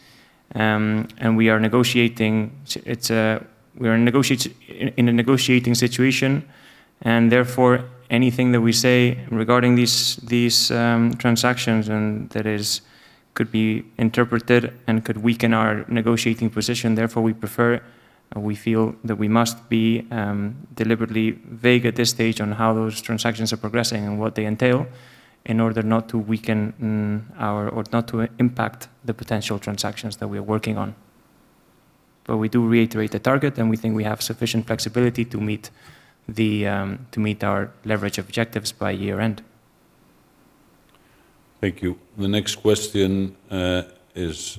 We are in a negotiating situation, and therefore, anything that we say regarding these transactions and that could be interpreted and could weaken our negotiating position, therefore, we prefer and we feel that we must be deliberately vague at this stage on how those transactions are progressing and what they entail in order not to weaken or not to impact the potential transactions that we're working on. We do reiterate the target, and we think we have sufficient flexibility to meet our leverage objectives by year-end. Thank you. The next question is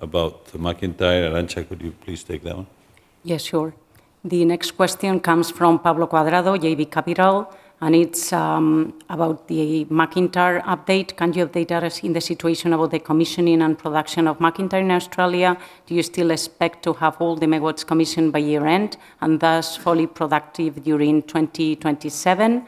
about the MacIntyre. Arantza, could you please take that one? Yes, sure. The next question comes from Pablo Cuadrado, JB Capital, and it's about the MacIntyre update. Can you update us in the situation about the commissioning and production of MacIntyre in Australia? Do you still expect to have all the MW commissioned by year-end and thus fully productive during 2027?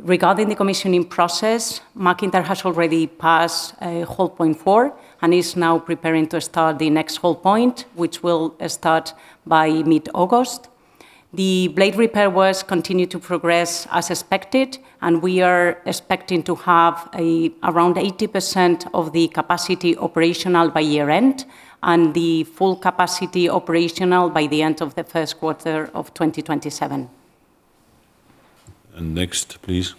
Regarding the commissioning process, MacIntyre has already passed hold point four and is now preparing to start the next hold point, which will start by mid-August. The blade repair works continue to progress as expected, and we are expecting to have around 80% of the capacity operational by year-end, and the full capacity operational by the end of the first quarter of 2027. Next, please.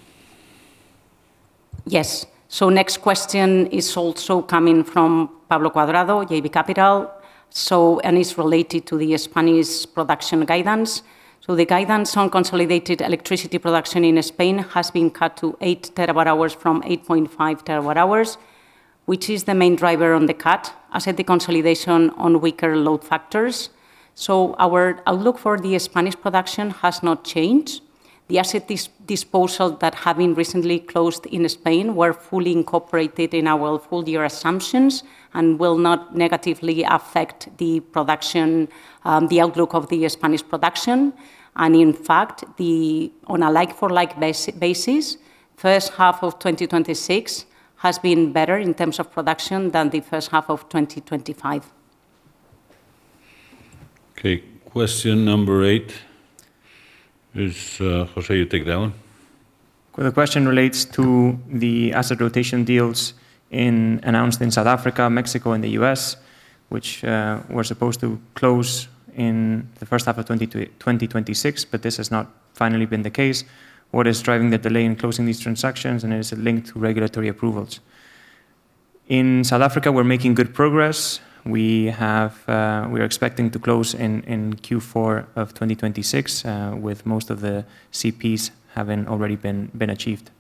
Yes. Next question is also coming from Pablo Cuadrado, JB Capital. It's related to the Spanish production guidance. The guidance on consolidated electricity production in Spain has been cut to 8 TWh from 8.5 TWh, which is the main driver on the cut asset deconsolidation on weaker load factors. Our outlook for the Spanish production has not changed. The asset disposal that have been recently closed in Spain were fully incorporated in our full year assumptions and will not negatively affect the outlook of the Spanish production. In fact, on a like-for-like basis, first half of 2026 has been better in terms of production than the first half of 2025. Okay. Question number eight. José, you take that one. The question relates to the asset rotation deals announced in South Africa, Mexico, and the U.S., which were supposed to close in the first half of 2026, but this has not finally been the case. What is driving the delay in closing these transactions, and is it linked to regulatory approvals? In South Africa, we're making good progress. We're expecting to close in Q4 of 2026, with most of the CPs having already been achieved.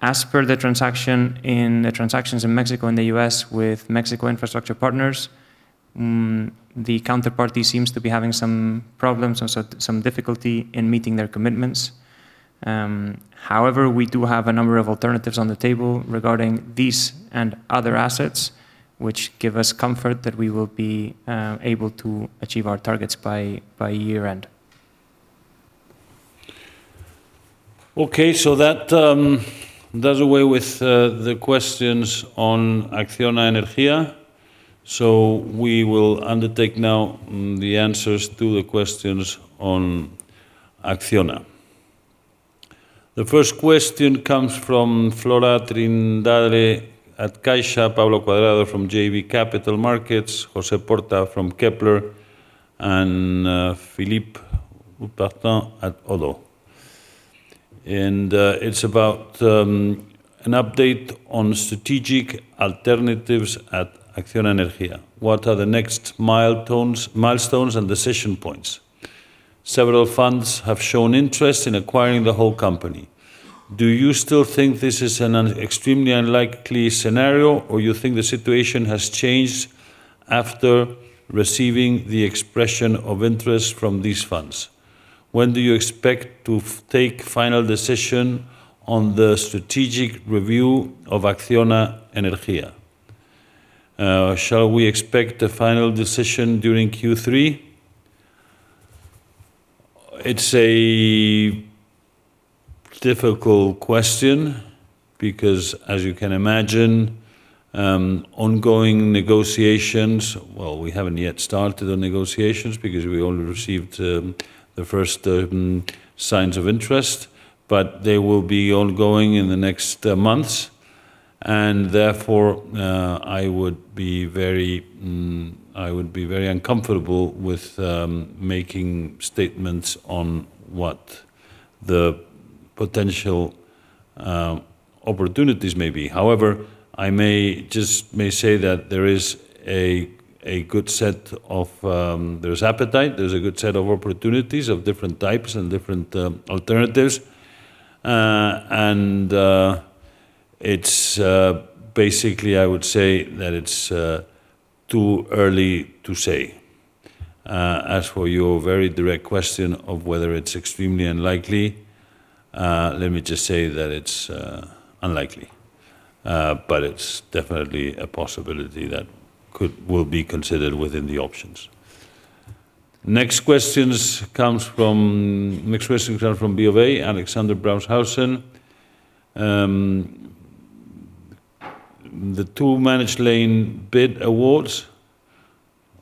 As per the transactions in Mexico and the U.S. with Mexico Infrastructure Partners, the counterparty seems to be having some problems and some difficulty in meeting their commitments. However, we do have a number of alternatives on the table regarding these and other assets which give us comfort that we will be able to achieve our targets by year-end. Okay, that does away with the questions on Acciona Energía. We will undertake now the answers to the questions on Acciona. The first question comes from Flora Trindade at Caixabank, Pablo Cuadrado from JB Capital Markets, José Porta from Kepler, and Philippe Houchois at Oddo. It's about an update on strategic alternatives at Acciona Energía. What are the next milestones and decision points? Several funds have shown interest in acquiring the whole company. Do you still think this is an extremely unlikely scenario, or you think the situation has changed after receiving the expression of interest from these funds? When do you expect to take final decision on the strategic review of Acciona Energía? Shall we expect a final decision during Q3? It's a difficult question because, as you can imagine, ongoing negotiations. Well, we haven't yet started the negotiations because we only received the first signs of interest, they will be ongoing in the next months. Therefore, I would be very uncomfortable with making statements on what the potential opportunities may be. However, I may say that there's appetite, there's a good set of opportunities of different types and different alternatives. Basically, I would say that it's too early to say. As for your very direct question of whether it's extremely unlikely, let me just say that it's unlikely. It's definitely a possibility that will be considered within the options. Next questions come from BOA, Alexander Braun. The two managed lane bid awards,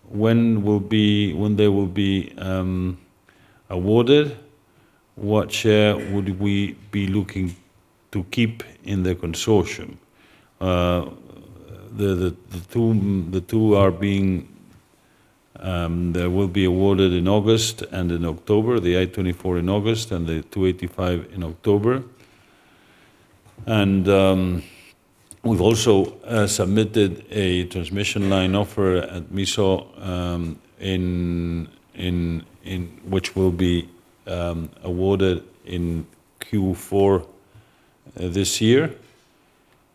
when they will be awarded, what share would we be looking to keep in the consortium? The two will be awarded in August and in October. The I-24 in August and the 285 in October. We've also submitted a transmission line offer at MISO, which will be awarded in Q4 this year.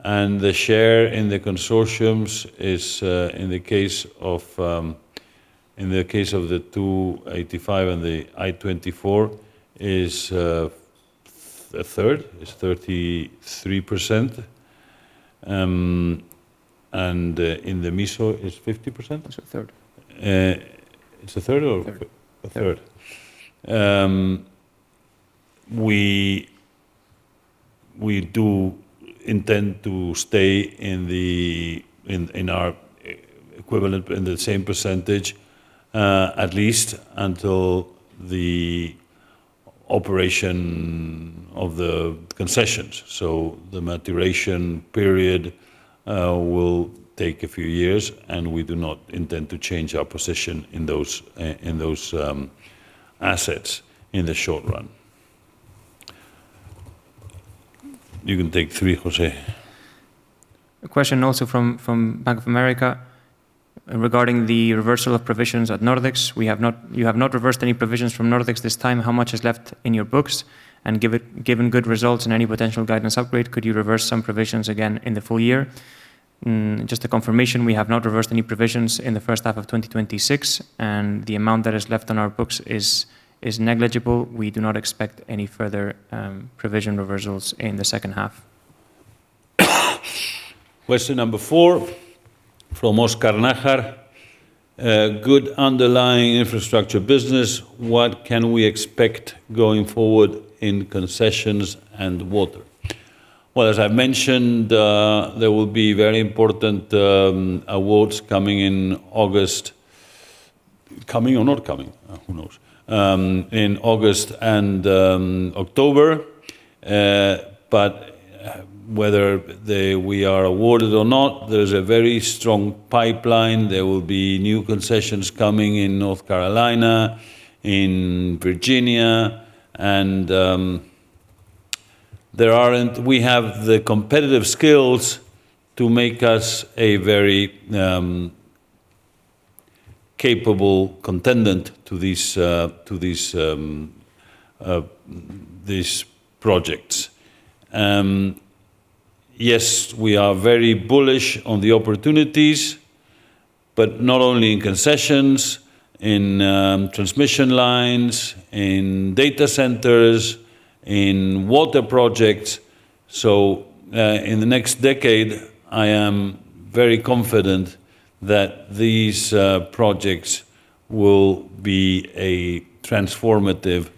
The share in the consortiums, in the case of the 285 and the I-24, is a third. It's 33%. In the MISO, it's 50%? It's a third. It's a third or. A third. A third. We do intend to stay in the same percentage, at least until the operation of the concessions. The maturation period will take a few years, and we do not intend to change our position in those assets in the short run. You can take three, José. A question also from Bank of America regarding the reversal of provisions at Nordex. You have not reversed any provisions from Nordex this time. How much is left in your books? Given good results in any potential guidance upgrade, could you reverse some provisions again in the full year? Just a confirmation, we have not reversed any provisions in the first half of 2026, and the amount that is left on our books is negligible. We do not expect any further provision reversals in the second half. Question number four from Óscar Nájar. Good underlying infrastructure business. What can we expect going forward in concessions and water? Well, as I mentioned, there will be very important awards coming in August. Coming or not coming? Who knows? In August and October. Whether we are awarded or not, there's a very strong pipeline. There will be new concessions coming in North Carolina, in Virginia, and we have the competitive skills to make us a very capable contender to these projects. Yes, we are very bullish on the opportunities, but not only in concessions, in transmission lines, in data centers, in water projects. In the next decade, I am very confident that these projects will be transformative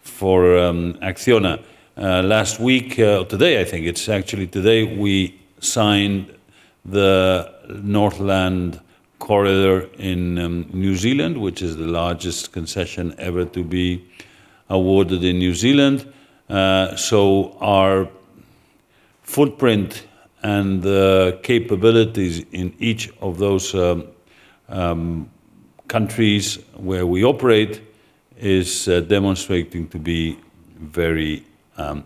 for Acciona. Last week, or today, I think it's actually today, we signed the Northland Corridor in New Zealand, which is the largest concession ever to be awarded in New Zealand. Our footprint and the capabilities in each of those countries where we operate is demonstrating to be very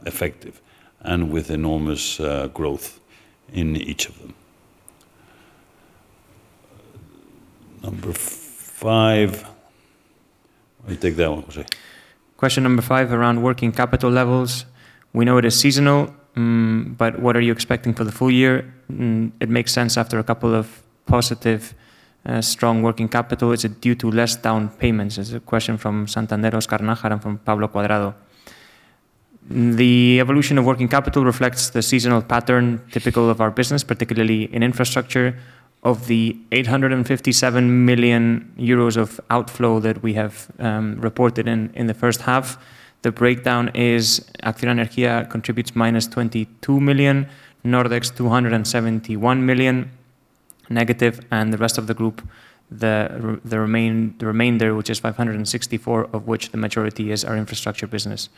effective and with enormous growth in each of them. Number five. You take that one, José. Question number five, around working capital levels. We know it is seasonal, but what are you expecting for the full year? It makes sense after a couple of positive, strong working capital. Is it due to less down payments? It is a question from Banco Santander, Óscar Nájar, and from Pablo Cuadrado. The evolution of working capital reflects the seasonal pattern typical of our business, particularly in infrastructure. Of the 857 million euros of outflow that we have reported in the first half, the breakdown is Acciona Energía contributes -22 million, Nordex 271 million negative, and the rest of the group, the remainder, which is 564 million, of which the majority is our infrastructure business.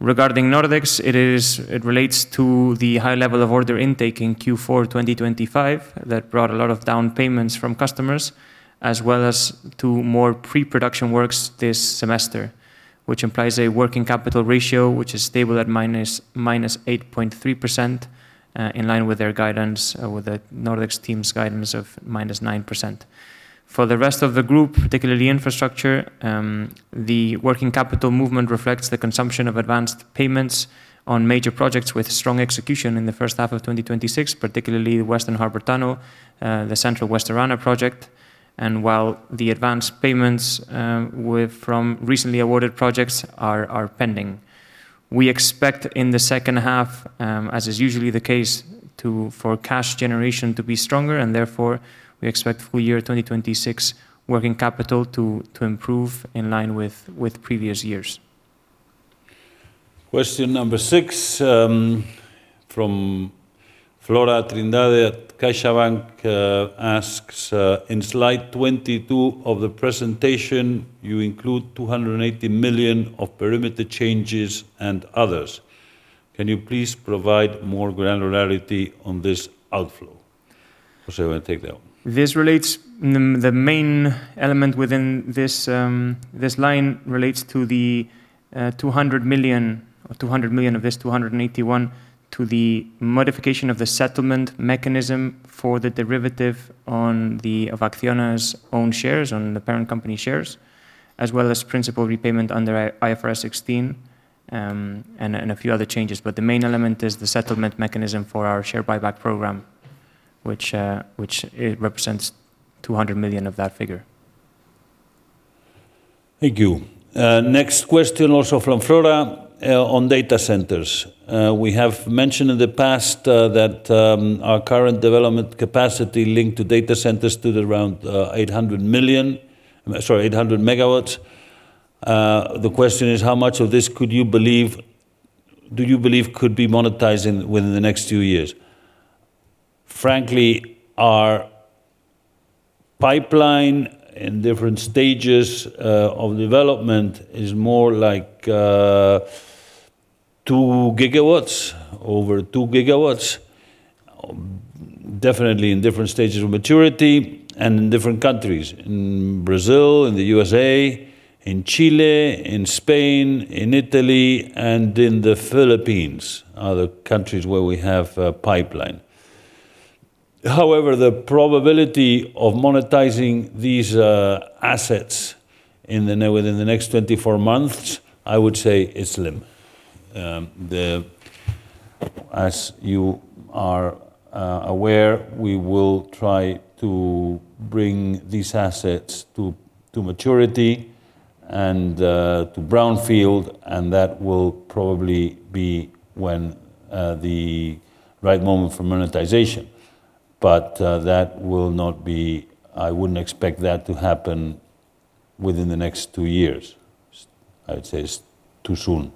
Regarding Nordex, it relates to the high level of order intake in Q4 2025 that brought a lot of down payments from customers, as well as to more pre-production works this semester, which implies a working capital ratio which is stable at -8.3%, in line with their guidance, with the Nordex team's guidance of -9%. For the rest of the group, particularly infrastructure, the working capital movement reflects the consumption of advanced payments on major projects with strong execution in the first half of 2026, particularly Western Harbor Tunnel, the Central-West Orana project. While the advanced payments from recently awarded projects are pending, we expect in the second half, as is usually the case, for cash generation to be stronger. Therefore, we expect full year 2026 working capital to improve in line with previous years. Question number six from Flora Trindade at CaixaBank asks, "In slide 22 of the presentation, you include 280 million of perimeter changes and others. Can you please provide more granularity on this outflow?" José, you want to take that one. The main element within this line relates to the 200 million of this 281 million to the modification of the settlement mechanism for the derivative on Acciona's own shares, on the parent company shares, as well as principal repayment under IFRS 16. A few other changes. The main element is the settlement mechanism for our share buyback program, which represents 200 million of that figure. Thank you. Next question also from Flora on data centers. We have mentioned in the past that our current development capacity linked to data centers stood around 800 MW. The question is: how much of this do you believe could be monetized within the next two years? Frankly, our pipeline in different stages of development is more like over 2 GW. Definitely in different stages of maturity and in different countries. In Brazil, in the U.S.A., in Chile, in Spain, in Italy, and in the Philippines are the countries where we have a pipeline. However, the probability of monetizing these assets within the next 24 months, I would say is slim. As you are aware, we will try to bring these assets to maturity and to brownfield, and that will probably be the right moment for monetization. I wouldn't expect that to happen within the next two years. I would say it's too soon.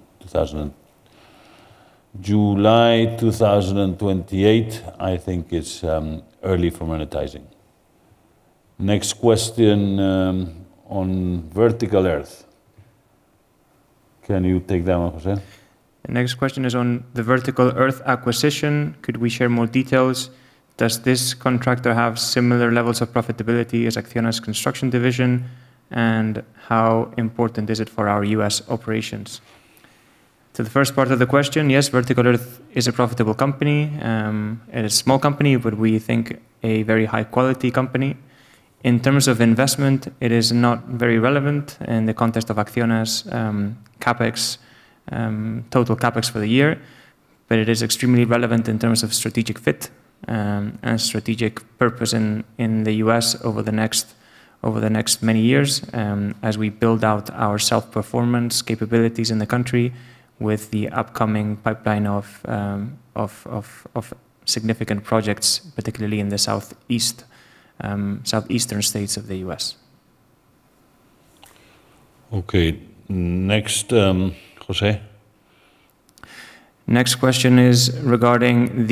July 2028, I think it's early for monetizing. Next question on Vertical Earth. Can you take that one, José? The next question is on the Vertical Earth acquisition. Could we share more details? Does this contractor have similar levels of profitability as Acciona's construction division? How important is it for our U.S. operations? To the first part of the question, yes, Vertical Earth is a profitable company. It is small company, but we think a very high-quality company. In terms of investment, it is not very relevant in the context of Acciona's total CapEx for the year, but it is extremely relevant in terms of strategic fit and strategic purpose in the U.S. over the next many years, as we build out our self-performance capabilities in the country with the upcoming pipeline of significant projects, particularly in the southeastern states of the U.S. Okay. Next, José. Next question is regarding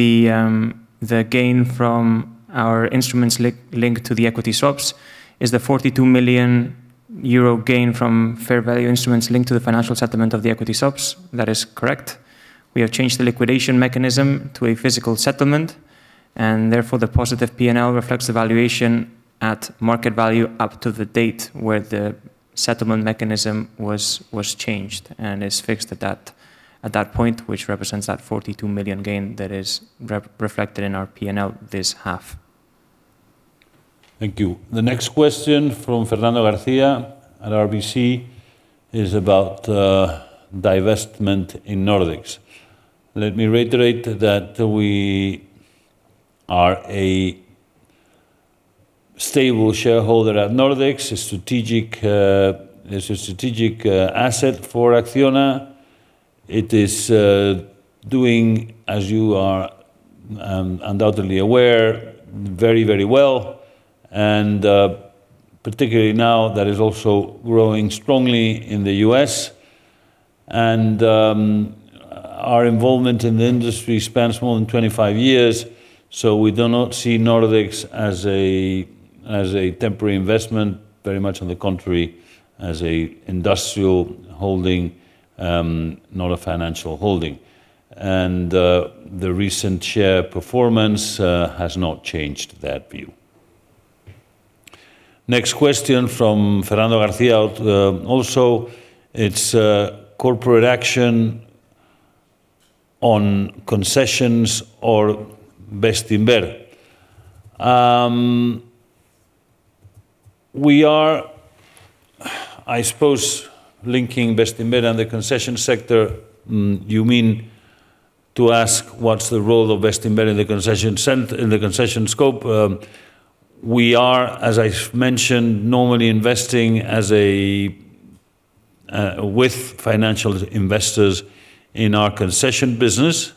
the gain from our instruments linked to the equity swaps. Is the 42 million euro gain from fair value instruments linked to the financial settlement of the equity swaps? That is correct. We have changed the liquidation mechanism to a physical settlement, therefore the positive P&L reflects the valuation at market value up to the date where the settlement mechanism was changed and is fixed at that point, which represents that 42 million gain that is reflected in our P&L this half. Thank you. The next question from Fernando García at RBC is about divestment in Nordex. Let me reiterate that we are a stable shareholder at Nordex. It's a strategic asset for Acciona. It is doing, as you are undoubtedly aware, very well, and particularly now that it's also growing strongly in the U.S. Our involvement in the industry spans more than 25 years, we do not see Nordex as a temporary investment, very much on the contrary, as an industrial holding, not a financial holding. The recent share performance has not changed that view. Next question from Fernando García. Also, it's corporate action on concessions or Bestinver. We are I suppose linking Bestinver and the concession sector. You mean to ask what's the role of Bestinver in the concession scope? We are, as I mentioned, normally investing with financial investors in our concession business.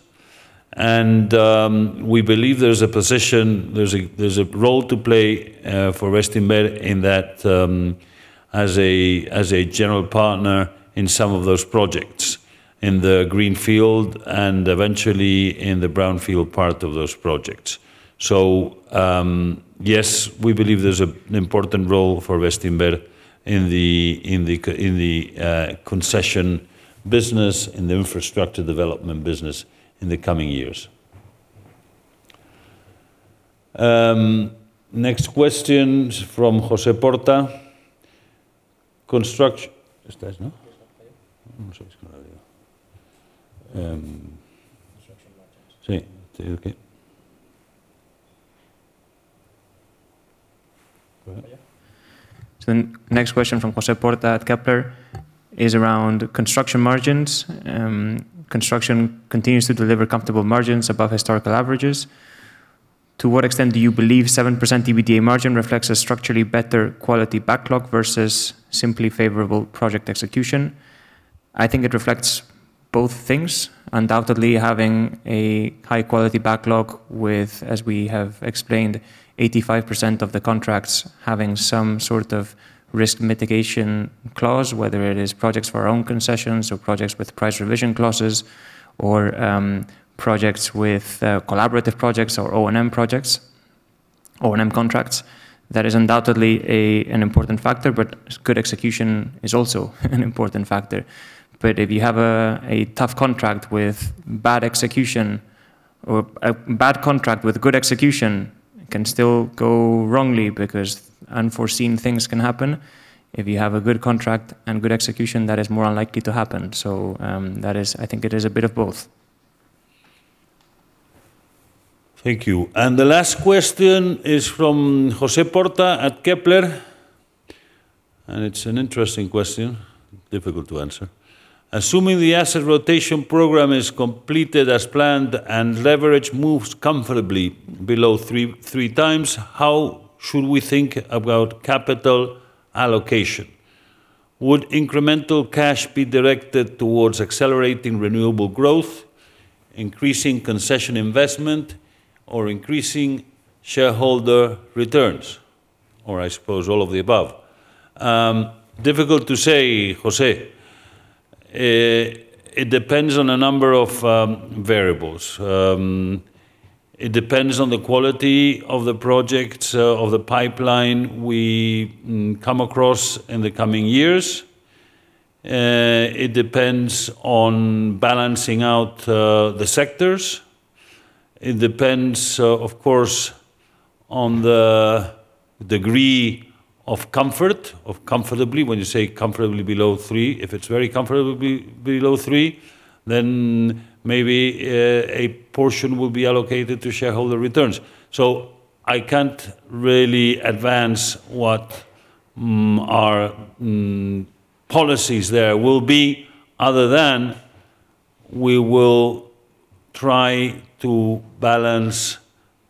We believe there's a role to play for Bestinver in that as a general partner in some of those projects, in the greenfield and eventually in the brownfield part of those projects. Yes, we believe there's an important role for Bestinver in the concession business and the infrastructure development business in the coming years. Next question is from José Porta. The next question from José Porta at Kepler is around construction margins. Construction continues to deliver comfortable margins above historical averages. To what extent do you believe 7% EBITDA margin reflects a structurally better quality backlog versus simply favorable project execution? I think it reflects both things. Undoubtedly, having a high-quality backlog with, as we have explained, 85% of the contracts having some sort of risk mitigation clause, whether it is projects for our own concessions or projects with price revision clauses or projects with collaborative projects or O&M contracts. That is undoubtedly an important factor, but good execution is also an important factor. If you have a tough contract with bad execution or a bad contract with good execution, it can still go wrongly because unforeseen things can happen. If you have a good contract and good execution, that is more unlikely to happen. I think it is a bit of both. Thank you. The last question is from José Porta at Kepler, it's an interesting question, difficult to answer. Assuming the asset rotation program is completed as planned and leverage moves comfortably below three times, how should we think about capital allocation? Would incremental cash be directed towards accelerating renewable growth, increasing concession investment, or increasing shareholder returns? I suppose all of the above. Difficult to say, José. It depends on a number of variables. It depends on the quality of the projects of the pipeline we come across in the coming years. It depends on balancing out the sectors. It depends, of course, on the degree of comfort, of comfortably, when you say comfortably below three. If it's very comfortably below three, maybe a portion will be allocated to shareholder returns. I can't really advance what our policies there will be other than we will try to balance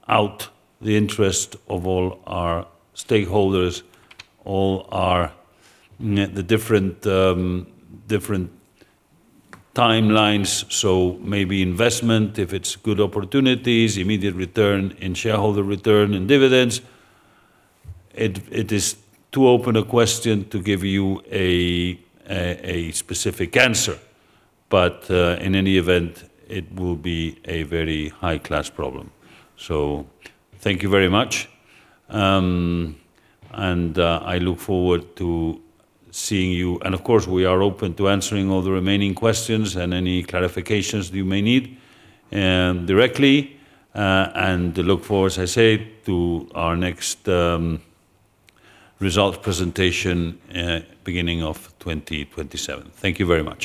out the interest of all our stakeholders, all the different timelines. Maybe investment, if it's good opportunities, immediate return in shareholder return and dividends. It is too open a question to give you a specific answer. In any event, it will be a very high-class problem. Thank you very much. I look forward to seeing you. Of course, we are open to answering all the remaining questions and any clarifications you may need directly. Look forward, as I said, to our next result presentation beginning of 2027. Thank you very much.